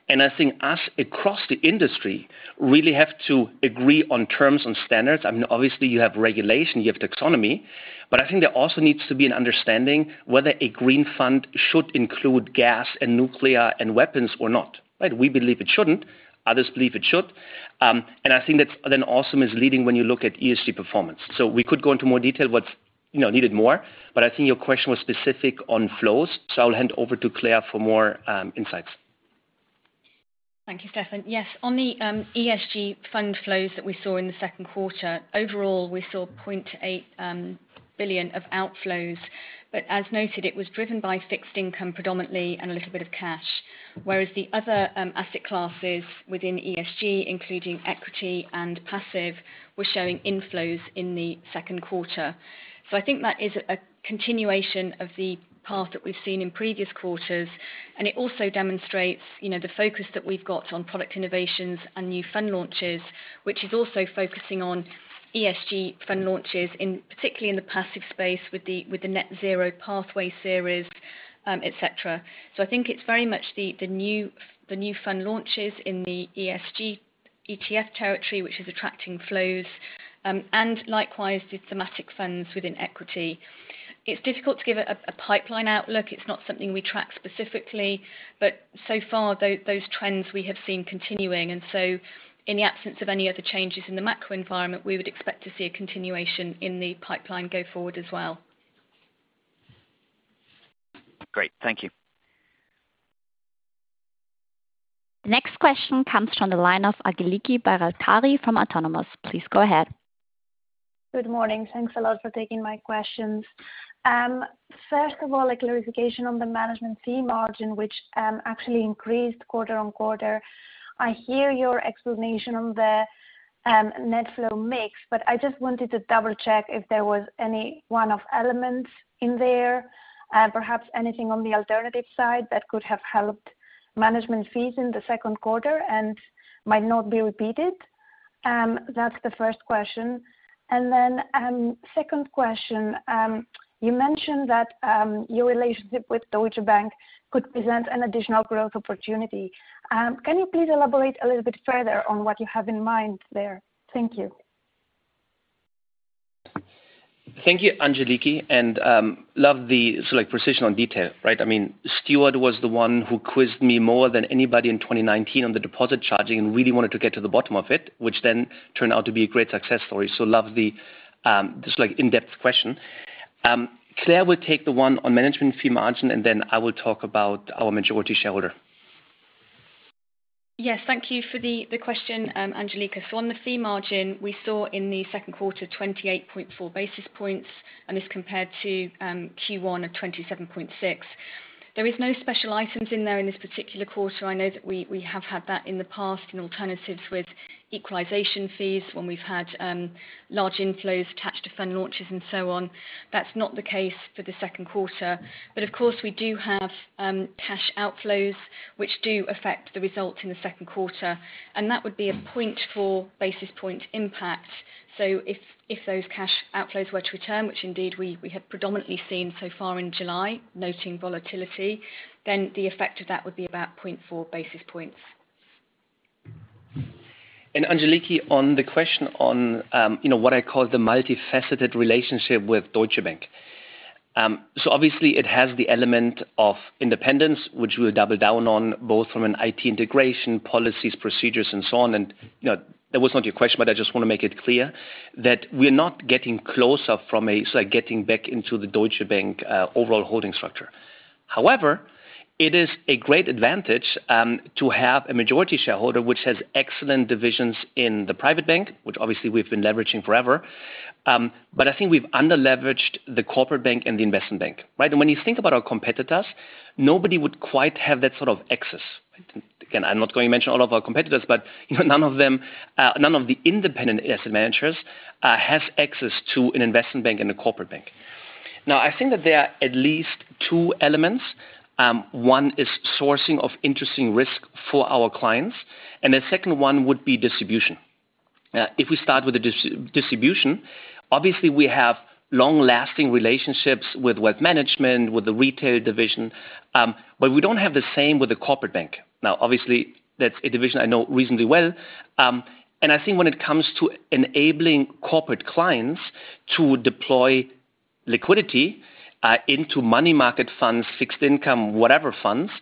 I think us across the industry really have to agree on terms and standards. I mean, obviously you have regulation, you have taxonomy, but I think there also needs to be an understanding whether a green fund should include gas and nuclear and weapons or not, right? We believe it shouldn't. Others believe it should. I think that's then also is leading when you look at ESG performance. We could go into more detail what's, you know, needed more, but I think your question was specific on flows, so I'll hand over to Claire for more insights.
Thank you, Stefan. Yes. On the ESG fund flows that we saw in the second quarter, overall, we saw 0.8 billion of outflows. As noted, it was driven by fixed income predominantly and a little bit of cash. Whereas the other asset classes within ESG, including equity and passive, were showing inflows in the second quarter. I think that is a continuation of the path that we've seen in previous quarters, and it also demonstrates, you know, the focus that we've got on product innovations and new fund launches, which is also focusing on ESG fund launches in, particularly in the passive space with the Net Zero Pathway series, et cetera. I think it's very much the new fund launches in the ESG.
ETF territory, which is attracting flows, and likewise the thematic funds within equity. It's difficult to give a pipeline outlook. It's not something we track specifically, but so far those trends we have seen continuing. In the absence of any other changes in the macro environment, we would expect to see a continuation in the pipeline go forward as well.
Great. Thank you.
Next question comes from the line of Angeliki Balakari from Autonomous. Please go ahead.
Good morning. Thanks a lot for taking my questions. First of all, a clarification on the management fee margin, which, actually increased quarter-over-quarter. I hear your explanation on the, net flow mix, but I just wanted to double-check if there was any one-off elements in there, perhaps anything on the alternative side that could have helped management fees in the second quarter and might not be repeated. That's the first question. Second question, you mentioned that, your relationship with Deutsche Bank could present an additional growth opportunity. Can you please elaborate a little bit further on what you have in mind there? Thank you.
Thank you, Angeliki. love the select precision on detail, right? I mean, Stuart was the one who quizzed me more than anybody in 2019 on the deposit charging and really wanted to get to the bottom of it, which then turned out to be a great success story. love the just like in-depth question. Claire will take the one on management fee margin, and then I will talk about our majority shareholder. Yes. Thank you for the question, Angeliki. On the fee margin, we saw in the second quarter 28.4 basis points, and this compared to Q1 of 27.6. There is no special items in there in this particular quarter. I know that we have had that in the past in alternatives with equalization fees when we've had large inflows attached to fund launches and so on. That's not the case for the second quarter. Of course, we do have cash outflows which do affect the results in the second quarter, and that would be a 0.4 basis point impact. If those cash outflows were to return, which indeed we have predominantly seen so far in July, noting volatility, then the effect of that would be about 0.4 basis points. Angeliki, on the question on you know, what I call the multifaceted relationship with Deutsche Bank. Obviously it has the element of independence, which we'll double down on both from an IT integration policies, procedures, and so on. You know, that was not your question, but I just want to make it clear that we're not getting closer, so getting back into the Deutsche Bank overall holding structure. However, it is a great advantage to have a majority shareholder which has excellent divisions in the private bank, which obviously we've been leveraging forever. But I think we've under-leveraged the corporate bank and the investment bank, right? When you think about our competitors, nobody would quite have that sort of access. Again, I'm not going to mention all of our competitors, but you know, none of them, none of the independent asset managers has access to an investment bank and a corporate bank. Now, I think that there are at least two elements. One is sourcing of interesting risk for our clients, and the second one would be distribution. If we start with the distribution, obviously we have long-lasting relationships with wealth management, with the retail division, but we don't have the same with the corporate bank. Now, obviously, that's a division I know reasonably well. And I think when it comes to enabling corporate clients to deploy liquidity into money market funds, fixed income, whatever funds,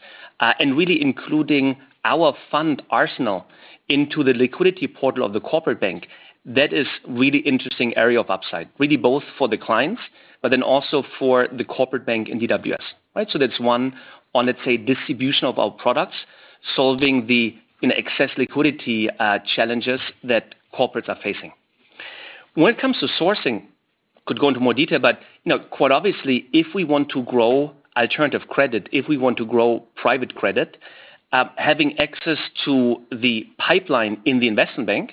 and really including our fund arsenal into the liquidity portal of the corporate bank, that is really interesting area of upside, really both for the clients, but then also for the corporate bank in DWS, right? That's one on, let's say, distribution of our products, solving the, you know, excess liquidity challenges that corporates are facing. When it comes to sourcing, could go into more detail, but you know, quite obviously, if we want to grow alternative credit, if we want to grow private credit, having access to the pipeline in the investment bank,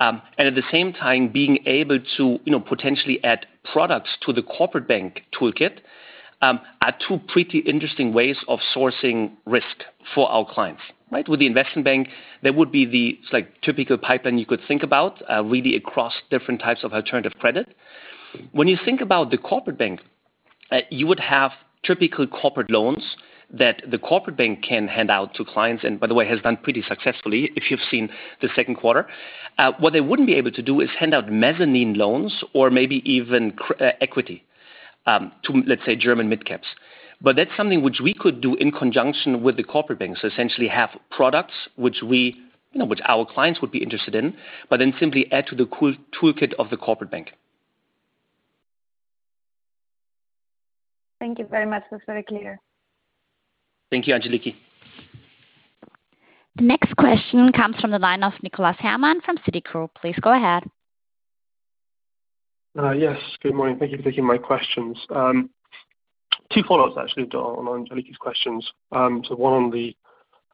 and at the same time being able to, you know, potentially add products to the corporate bank toolkit, are two pretty interesting ways of sourcing risk for our clients, right? With the investment bank, it's like typical pipeline you could think about, really across different types of alternative credit. When you think about the corporate bank, you would have typical corporate loans that the corporate bank can hand out to clients, and by the way, has done pretty successfully, if you've seen the second quarter. What they wouldn't be able to do is hand out mezzanine loans or maybe even equity to, let's say, German mid caps. That's something which we could do in conjunction with the corporate banks, essentially have products which we, you know, which our clients would be interested in, but then simply add to the core toolkit of the corporate bank.
Thank you very much. That's very clear.
Thank you, Angeliki.
The next question comes from the line of Nicholas Herman from Citigroup. Please go ahead.
Yes. Good morning. Thank you for taking my questions. Two follow-ups actually, on Angeliki's questions. So one on the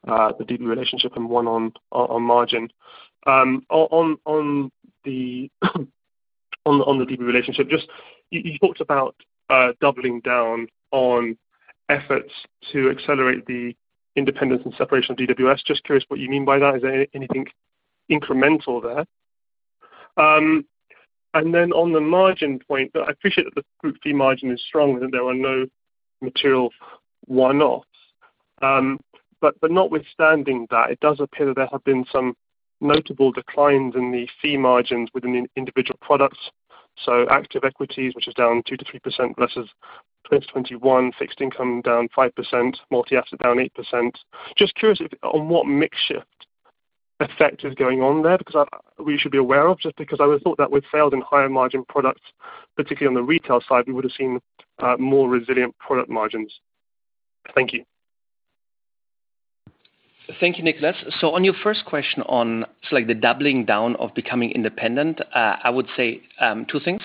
DB relationship and one on margin. On the DB relationship, just you talked about doubling down on efforts to accelerate the independence and separation of DWS. Just curious what you mean by that. Is there anything incremental there? On the margin point, I appreciate that the group fee margin is strong and there are no material one-offs. But notwithstanding that, it does appear that there have been some notable declines in the fee margins within the individual products. So active equities, which is down 2%-3% versus 2021, fixed income down 5%, multi-asset down 8%. Just curious if, on what mix shift effect is going on there because we should be aware of just because I would thought that with sales in higher margin products, particularly on the retail side, we would have seen more resilient product margins. Thank you.
Thank you, Nicholas. On your first question on sort of like the doubling down of becoming independent, I would say, two things.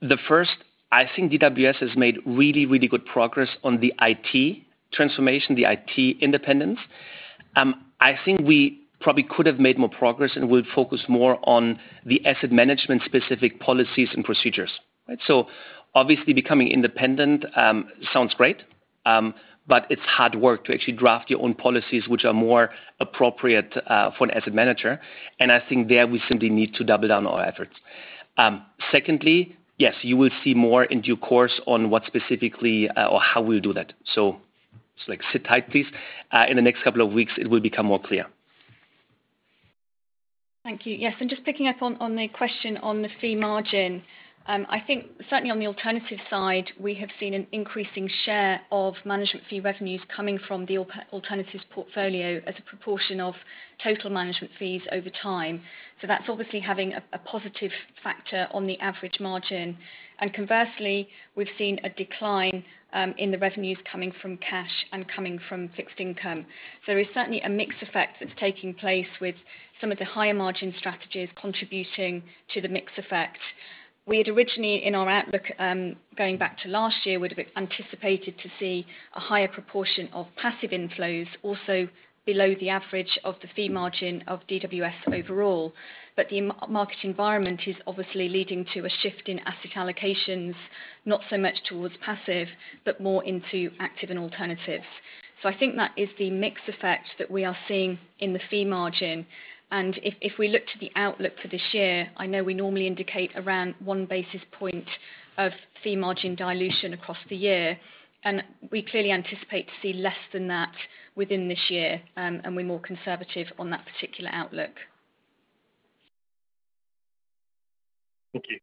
The first, I think DWS has made really, really good progress on the IT transformation, the IT independence. I think we probably could have made more progress and would focus more on the asset management specific policies and procedures. Obviously becoming independent, sounds great, but it's hard work to actually draft your own policies which are more appropriate, for an asset manager. I think there we simply need to double down our efforts. Secondly, yes, you will see more in due course on what specifically, or how we'll do that. Just like sit tight, please. In the next couple of weeks, it will become more clear.
Thank you. Yes. Just picking up on the question on the fee margin, I think certainly on the alternative side, we have seen an increasing share of management fee revenues coming from the alternatives portfolio as a proportion of total management fees over time. That's obviously having a positive factor on the average margin. Conversely, we've seen a decline in the revenues coming from cash and coming from fixed income. There is certainly a mix effect that's taking place with some of the higher margin strategies contributing to the mix effect. We had originally in our outlook, going back to last year, would have anticipated to see a higher proportion of passive inflows also below the average of the fee margin of DWS overall. The market environment is obviously leading to a shift in asset allocations, not so much towards passive, but more into active and alternatives. I think that is the mix effect that we are seeing in the fee margin. If we look to the outlook for this year, I know we normally indicate around one basis point of fee margin dilution across the year, and we clearly anticipate to see less than that within this year, and we're more conservative on that particular outlook.
Thank you.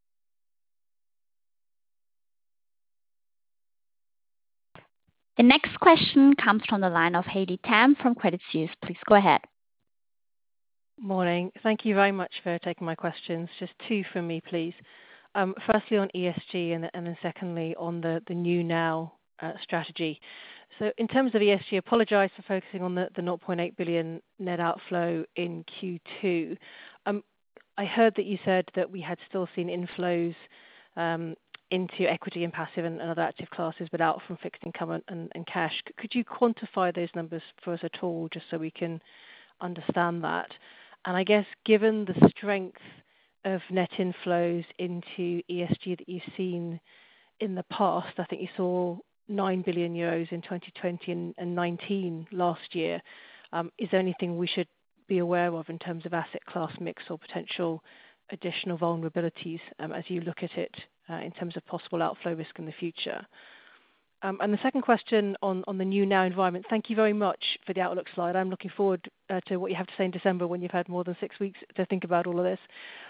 The next question comes from the line of Haley Tam from Credit Suisse. Please go ahead.
Morning. Thank you very much for taking my questions. Just two for me, please. Firstly on ESG and then secondly on the New Now strategy. In terms of ESG, apologize for focusing on the 0.8 billion net outflow in Q2. I heard that you said that we had still seen inflows into equity and passive and other active classes, but out from fixed income and cash. Could you quantify those numbers for us at all just so we can understand that? I guess given the strength of net inflows into ESG that you've seen in the past, I think you saw 9 billion euros in 2020 and 19 billion last year, is there anything we should be aware of in terms of asset class mix or potential additional vulnerabilities, as you look at it, in terms of possible outflow risk in the future? The second question on the new normal environment, thank you very much for the outlook slide. I'm looking forward to what you have to say in December when you've had more than six weeks to think about all of this.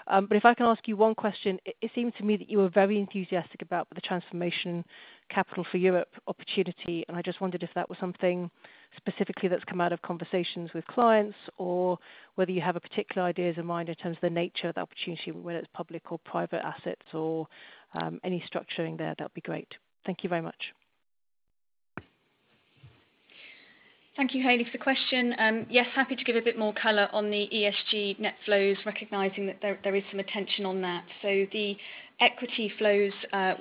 If I can ask you one question, it seems to me that you were very enthusiastic about the transformation capital for Europe opportunity, and I just wondered if that was something specifically that's come out of conversations with clients or whether you have a particular ideas in mind in terms of the nature of the opportunity, whether it's public or private assets or any structuring there, that'd be great. Thank you very much.
Thank you, Haley, for the question. Yes, happy to give a bit more color on the ESG net flows, recognizing that there is some attention on that. The equity flows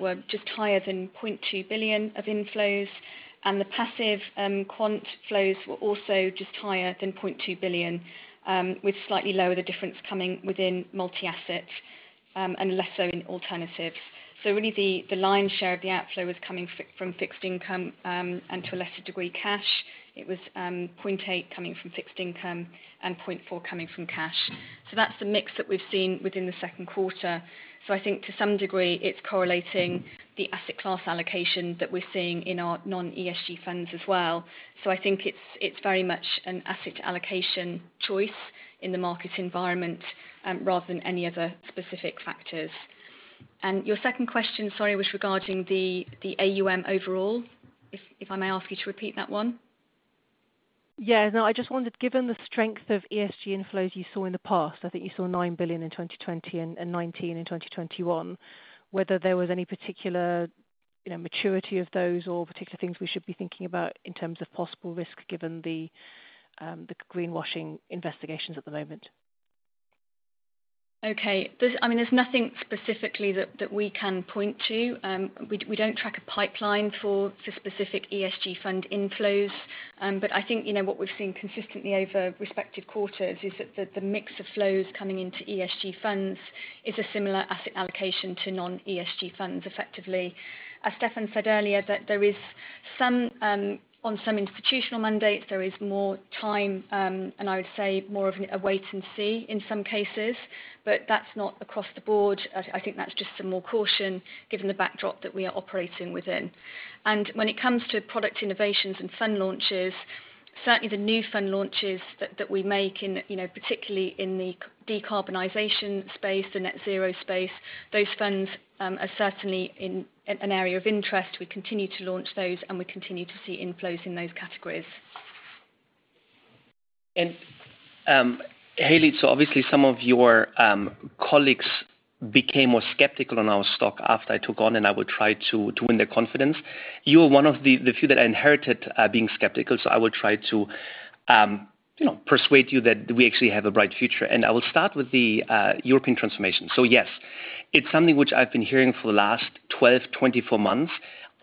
were just higher than 0.2 billion of inflows, and the passive quant flows were also just higher than 0.2 billion, with slightly lower the difference coming within multi-asset and less so in alternatives. Really the lion's share of the outflow was coming from fixed income and to a lesser degree, cash. It was 0.8 billion coming from fixed income and 0.4 billion coming from cash. That's the mix that we've seen within the second quarter. I think to some degree, it's correlating the asset class allocation that we're seeing in our non-ESG funds as well. I think it's very much an asset allocation choice in the market environment, rather than any other specific factors. Your second question, sorry, was regarding the AUM overall? If I may ask you to repeat that one.
Yeah. No, I just wondered, given the strength of ESG inflows you saw in the past, I think you saw 9 billion in 2020 and 19 billion in 2021, whether there was any particular, you know, maturity of those or particular things we should be thinking about in terms of possible risk given the greenwashing investigations at the moment.
Okay. I mean, there's nothing specifically that we can point to. We don't track a pipeline for specific ESG fund inflows. I think, you know, what we've seen consistently over respective quarters is that the mix of flows coming into ESG funds is a similar asset allocation to non-ESG funds, effectively. As Stefan said earlier, that there is some on some institutional mandates, there is more time, and I would say more of a wait and see in some cases, but that's not across the board. I think that's just some more caution given the backdrop that we are operating within. When it comes to product innovations and fund launches. Certainly the new fund launches that we make in, you know, particularly in the decarbonization space, the net zero space, those funds are certainly in an area of interest. We continue to launch those, and we continue to see inflows in those categories.
Hayley, obviously some of your colleagues became more skeptical on our stock after I took on, and I would try to win their confidence. You were one of the few that I inherited being skeptical, so I would try to you know, persuade you that we actually have a bright future. I will start with the European transformation. Yes, it's something which I've been hearing for the last 12, 24 months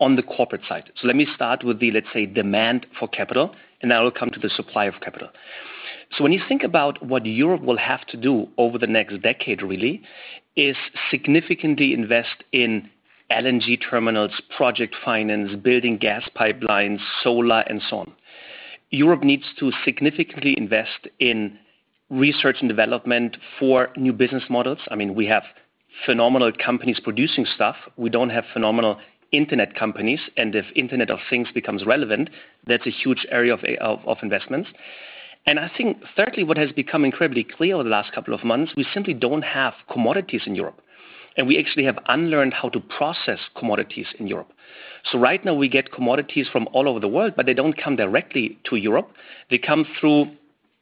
on the corporate side. Let me start with the, let's say, demand for capital, and then I will come to the supply of capital. When you think about what Europe will have to do over the next decade, really, is significantly invest in LNG terminals, project finance, building gas pipelines, solar and so on. Europe needs to significantly invest in research and development for new business models. I mean, we have phenomenal companies producing stuff. We don't have phenomenal internet companies, and if Internet of Things becomes relevant, that's a huge area of investments. I think thirdly, what has become incredibly clear over the last couple of months, we simply don't have commodities in Europe, and we actually have unlearned how to process commodities in Europe. Right now we get commodities from all over the world, but they don't come directly to Europe. They come through,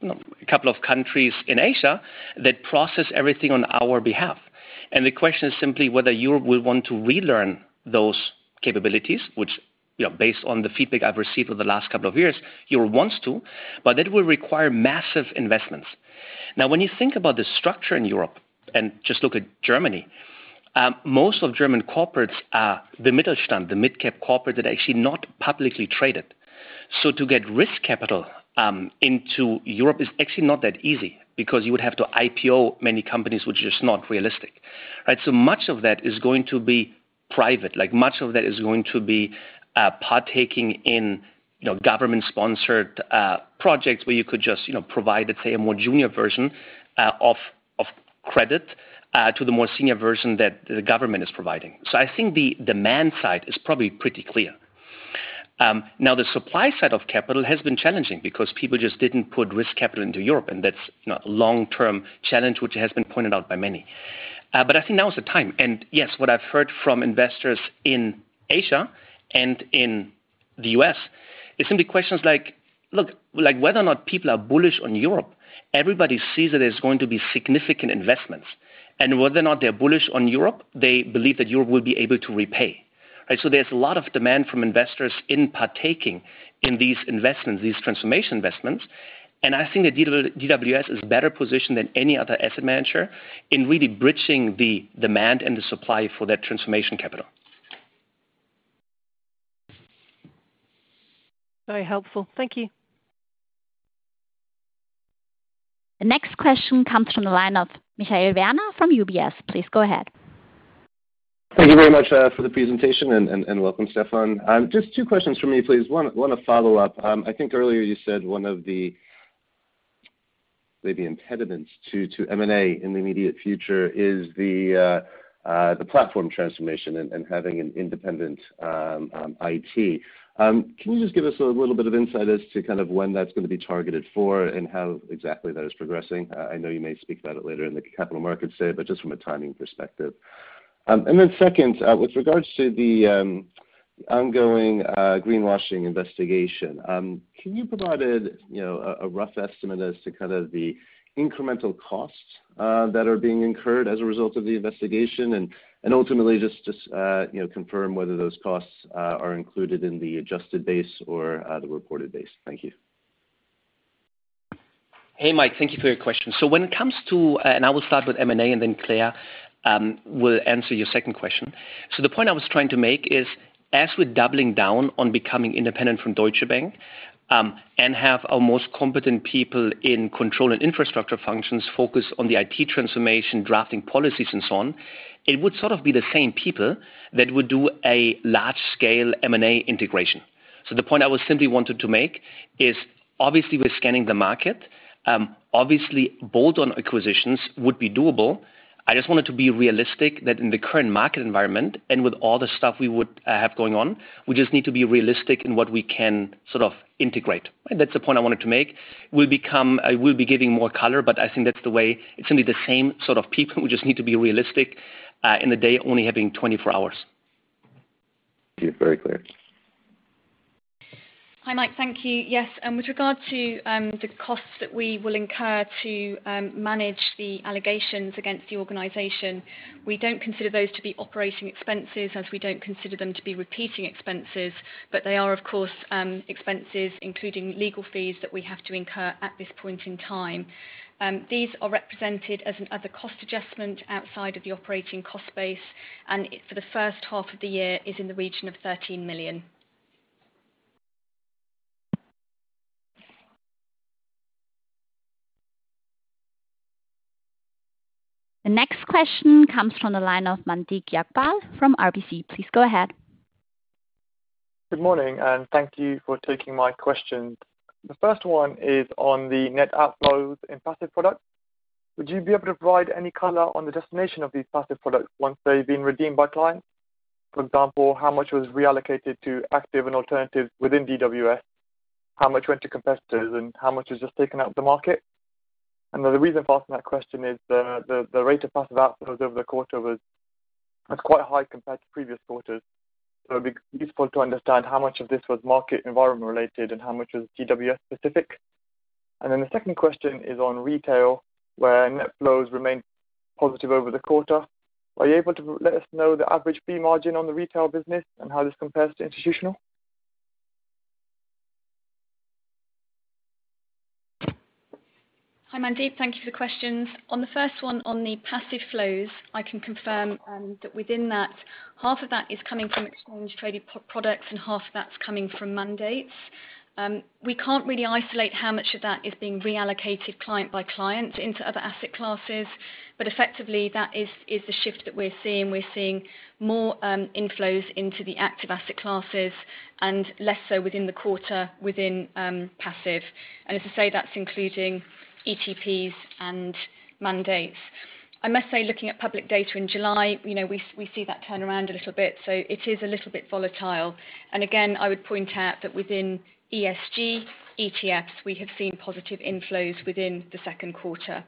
you know, a couple of countries in Asia that process everything on our behalf. The question is simply whether Europe will want to relearn those capabilities, which, you know, based on the feedback I've received over the last couple of years, Europe wants to, but that will require massive investments. Now, when you think about the structure in Europe and just look at Germany, most of German corporates are the Mittelstand, the midcap corporate that are actually not publicly traded. To get risk capital into Europe is actually not that easy because you would have to IPO many companies, which is not realistic. Right? Much of that is going to be private. Much of that is going to be partaking in, you know, government-sponsored projects where you could just, you know, provide, let's say a more junior version of credit to the more senior version that the government is providing. I think the demand side is probably pretty clear. Now the supply side of capital has been challenging because people just didn't put risk capital into Europe, and that's, you know, a long-term challenge which has been pointed out by many. I think now is the time. Yes, what I've heard from investors in Asia and in the U.S. is simply questions like, look, like whether or not people are bullish on Europe, everybody sees that there's going to be significant investments. Whether or not they're bullish on Europe, they believe that Europe will be able to repay. Right? There's a lot of demand from investors in partaking in these investments, these transformation investments. I think that DWS is better positioned than any other asset manager in really bridging the demand and the supply for that transformation capital.
Very helpful. Thank you.
The next question comes from the line of Michael Werner from UBS. Please go ahead.
Thank you very much for the presentation and welcome, Stefan. Just two questions from me, please. One follow-up. I think earlier you said one of the maybe impediments to M&A in the immediate future is the platform transformation and having an independent IT. Can you just give us a little bit of insight as to kind of when that's gonna be targeted for and how exactly that is progressing? I know you may speak about it later in the Capital Markets Day, but just from a timing perspective. And then second, with regards to the ongoing greenwashing investigation, can you provide, you know, a rough estimate as to kind of the incremental costs that are being incurred as a result of the investigation? Ultimately just you know confirm whether those costs are included in the adjusted base or the reported base. Thank you.
Hey, Mike, thank you for your question. I will start with M&A, and then Claire will answer your second question. The point I was trying to make is, as we're doubling down on becoming independent from Deutsche Bank, and have our most competent people in control and infrastructure functions focus on the IT transformation, drafting policies and so on, it would sort of be the same people that would do a large scale M&A integration. The point I was simply wanted to make is obviously we're scanning the market. Obviously, bolt-on acquisitions would be doable. I just wanted to be realistic that in the current market environment and with all the stuff we would have going on, we just need to be realistic in what we can sort of integrate. That's the point I wanted to make. I will be giving more color, but I think that's the way. It's simply the same sort of people who just need to be realistic in a day only having 24 hours.
Thank you. Very clear.
Hi, Mike. Thank you. Yes. With regard to the costs that we will incur to manage the allegations against the organization, we don't consider those to be operating expenses, as we don't consider them to be repeating expenses, but they are, of course, expenses including legal fees that we have to incur at this point in time. These are represented as a cost adjustment outside of the operating cost base, for the H1 of the year is in the region of 13 million.
The next question comes from the line of Mandeep Jagpal from RBC. Please go ahead.
Good morning, and thank you for taking my questions. The first one is on the net outflows in passive products. Would you be able to provide any color on the destination of these passive products once they've been redeemed by clients? For example, how much was reallocated to active and alternatives within DWS? How much went to competitors, and how much was just taken out of the market? The reason for asking that question is the rate of passive outflows over the quarter was quite high compared to previous quarters. It'd be useful to understand how much of this was market environment related and how much was DWS specific. Then the second question is on retail, where net flows remained positive over the quarter. Are you able to let us know the average fee margin on the retail business and how this compares to institutional?
Hi, Mandeep. Thank you for the questions. On the first one on the passive flows, I can confirm that within that, half of that is coming from exchange-traded products and half of that's coming from mandates. We can't really isolate how much of that is being reallocated client by client into other asset classes, but effectively, that is the shift that we're seeing. We're seeing more inflows into the active asset classes and less so within the quarter within passive. As I say, that's including ETPs and mandates. I must say, looking at public data in July, you know, we see that turn around a little bit, so it is a little bit volatile. Again, I would point out that within ESG ETFs, we have seen positive inflows within the second quarter.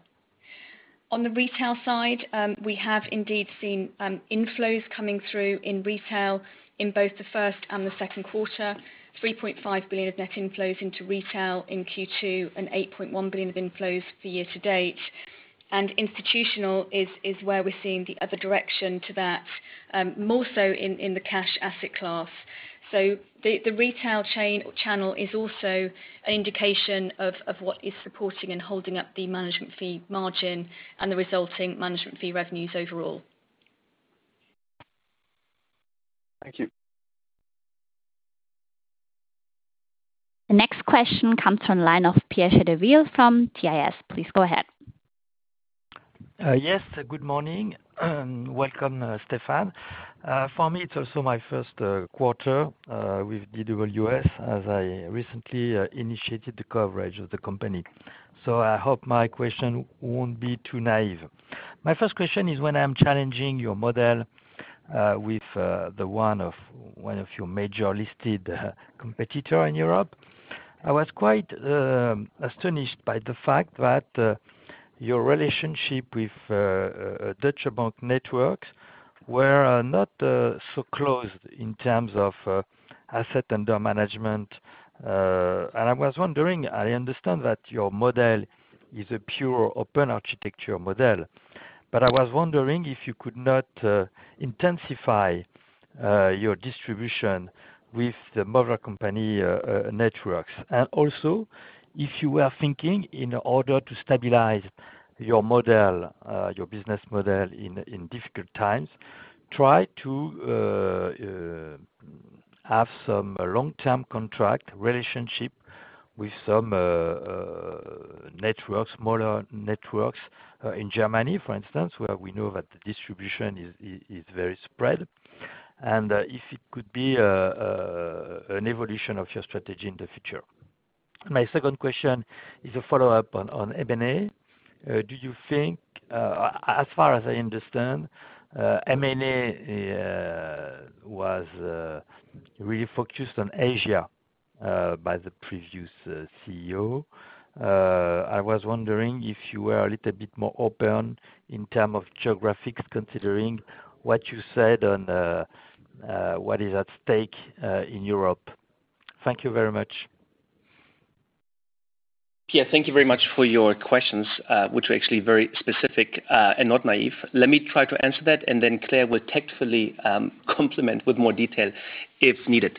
On the retail side, we have indeed seen inflows coming through in retail in both the first and the second quarter, 3.5 billion of net inflows into retail in Q2 and 8.1 billion of inflows for year-to-date. Institutional is where we're seeing the other direction to that, more so in the cash asset class. The retail channel is also an indication of what is supporting and holding up the management fee margin and the resulting management fee revenues overall.
Thank you.
The next question comes from line of Pierre Chédeville from CIC. Please go ahead.
Yes. Good morning, and welcome, Stefan. For me, it's also my first quarter with DWS as I recently initiated the coverage of the company. I hope my question won't be too naive. My first question is, when I'm challenging your model with the one of one of your major listed competitor in Europe, I was quite astonished by the fact that your relationship with Deutsche Bank networks were not so close in terms of assets under management. I was wondering, I understand that your model is a pure open-architecture model. I was wondering if you could not intensify your distribution with the mother company networks. If you were thinking in order to stabilize your business model in difficult times, try to have some long-term contract relationship with some smaller networks in Germany, for instance, where we know that the distribution is very spread, and if it could be an evolution of your strategy in the future. My second question is a follow-up on M&A. Do you think, as far as I understand, M&A was really focused on Asia by the previous CEO. I was wondering if you were a little bit more open in terms of geographies, considering what you said on what is at stake in Europe. Thank you very much.
Yeah, thank you very much for your questions, which were actually very specific, and not naive. Let me try to answer that, and then Claire will tactfully complement with more detail if needed.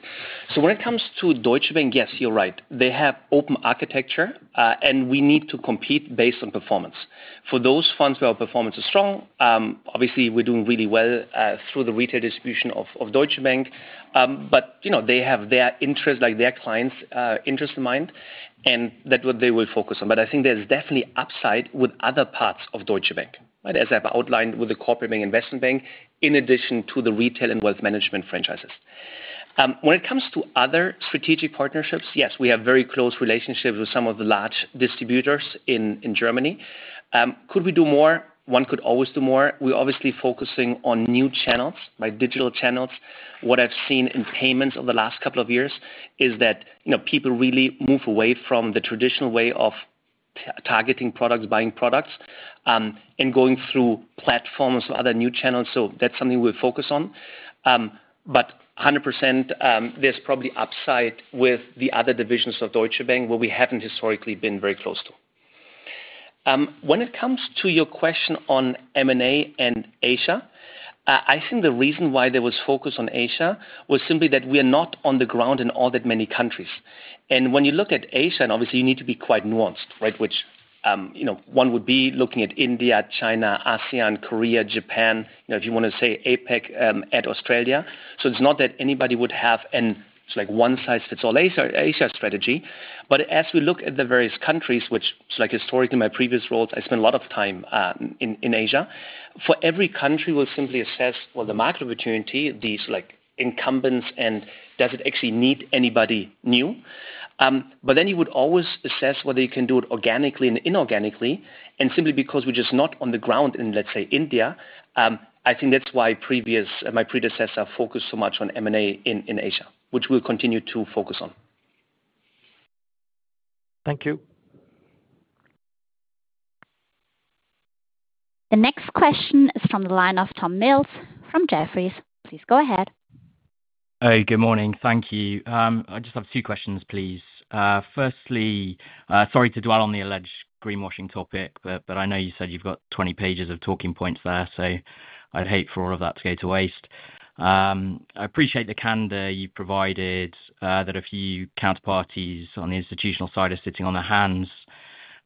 When it comes to Deutsche Bank, yes, you're right. They have open architecture, and we need to compete based on performance. For those funds where our performance is strong, obviously we're doing really well through the retail distribution of Deutsche Bank. You know, they have their interest, like, their clients', interest in mind, and that's what they will focus on. I think there's definitely upside with other parts of Deutsche Bank, right? As I've outlined with the corporate bank, investment bank, in addition to the retail and wealth management franchises. When it comes to other strategic partnerships, yes, we have very close relationships with some of the large distributors in Germany. Could we do more? One could always do more. We're obviously focusing on new channels, like digital channels. What I've seen in payments over the last couple of years is that, you know, people really move away from the traditional way of targeting products, buying products, and going through platforms or other new channels. That's something we'll focus on. 100%, there's probably upside with the other divisions of Deutsche Bank, where we haven't historically been very close to. When it comes to your question on M&A and Asia, I think the reason why there was focus on Asia was simply that we're not on the ground in all that many countries. When you look at Asia, and obviously you need to be quite nuanced, right? Which, you know, one would be looking at India, China, ASEAN, Korea, Japan, you know, if you wanna say APAC, add Australia. It's not that anybody would have an, like, one-size-fits-all Asia strategy. As we look at the various countries, which, like historically in my previous roles, I spent a lot of time in Asia. For every country, we'll simply assess, well, the market opportunity, these like incumbents, and does it actually need anybody new? Then you would always assess whether you can do it organically and inorganically and simply because we're just not on the ground in, let's say, India, I think that's why my predecessor focused so much on M&A in Asia, which we'll continue to focus on.
Thank you.
The next question is from the line of Tom Mills from Jefferies. Please go ahead.
Hey, good morning. Thank you. I just have two questions, please. Firstly, sorry to dwell on the alleged greenwashing topic, but I know you said you've got 20 pages of talking points there, so I'd hate for all of that to go to waste. I appreciate the candor you provided that a few counterparties on the institutional side are sitting on their hands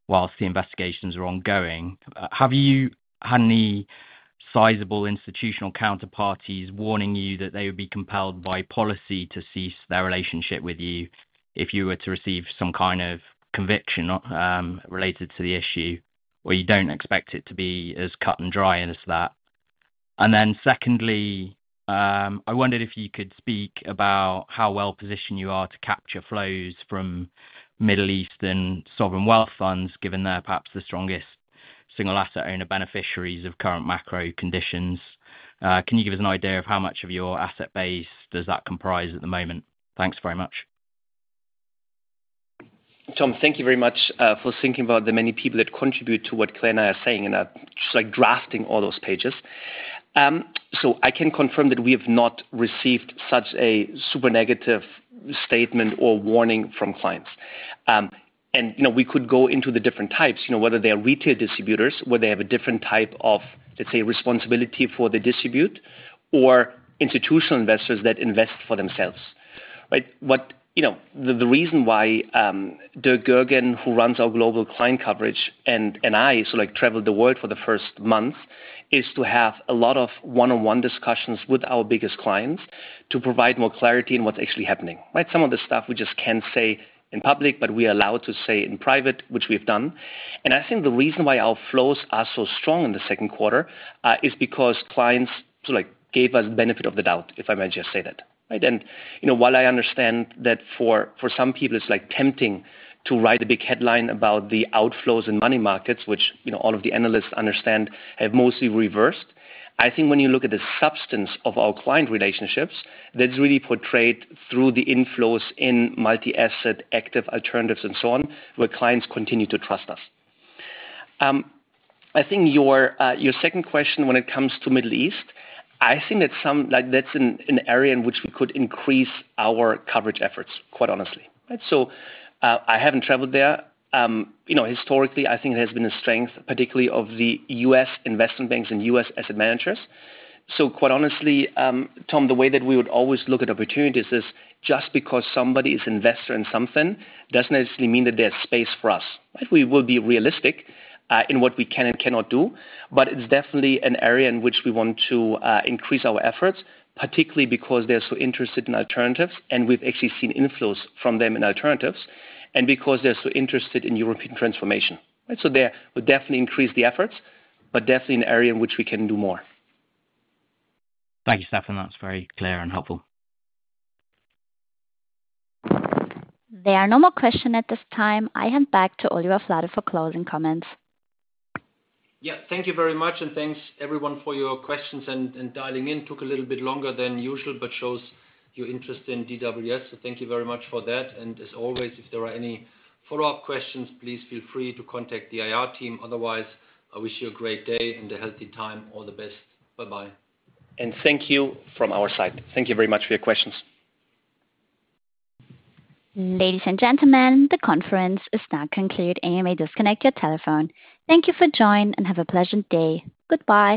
while the investigations are ongoing. Have you had any sizable institutional counterparties warning you that they would be compelled by policy to cease their relationship with you if you were to receive some kind of conviction related to the issue, or you don't expect it to be as cut and dried as that? I wondered if you could speak about how well-positioned you are to capture flows from Middle Eastern sovereign wealth funds, given they're perhaps the strongest single asset owner beneficiaries of current macro conditions. Can you give us an idea of how much of your asset base does that comprise at the moment? Thanks very much.
Tom, thank you very much for thinking about the many people that contribute to what Claire and I are saying and are just like drafting all those pages. I can confirm that we have not received such a super negative statement or warning from clients. You know, we could go into the different types, you know, whether they are retail distributors, where they have a different type of, let's say, responsibility for the distribution or institutional investors that invest for themselves. You know, the reason why Dirk Goergen, who runs our global client coverage, and I also traveled the world for the first month is to have a lot of one-on-one discussions with our biggest clients to provide more clarity in what's actually happening, right? Some of the stuff we just can't say in public, but we are allowed to say in private, which we have done. I think the reason why our flows are so strong in the second quarter is because clients so like gave us benefit of the doubt, if I may just say that, right? You know, while I understand that for some people, it's like tempting to write a big headline about the outflows in money markets, which, you know, all of the analysts understand have mostly reversed. I think when you look at the substance of our client relationships, that's really portrayed through the inflows in multi-asset, active alternatives and so on, where clients continue to trust us. I think your second question when it comes to Middle East. I think that's an area in which we could increase our coverage efforts, quite honestly, right? I haven't traveled there. You know, historically, I think it has been a strength, particularly of the U.S. investment banks and U.S. asset managers. Quite honestly, Tom, the way that we would always look at opportunities is just because somebody is an investor in something doesn't necessarily mean that there's space for us. We will be realistic in what we can and cannot do, but it's definitely an area in which we want to increase our efforts, particularly because they're so interested in alternatives and we've actually seen inflows from them in alternatives, and because they're so interested in European transformation. There we'll definitely increase the efforts, but definitely an area in which we can do more.
Thank you, Stefan. That's very clear and helpful.
There are no more questions at this time. I hand back to Oliver Flade for closing comments.
Yeah. Thank you very much, and thanks everyone for your questions and dialing in. Took a little bit longer than usual, but shows your interest in DWS, so thank you very much for that. As always, if there are any follow-up questions, please feel free to contact the IR team. Otherwise, I wish you a great day and a healthy time. All the best. Bye-bye.
Thank you from our side. Thank you very much for your questions.
Ladies and gentlemen, the conference is now concluded. You may disconnect your telephone. Thank you for joining, and have a pleasant day. Goodbye.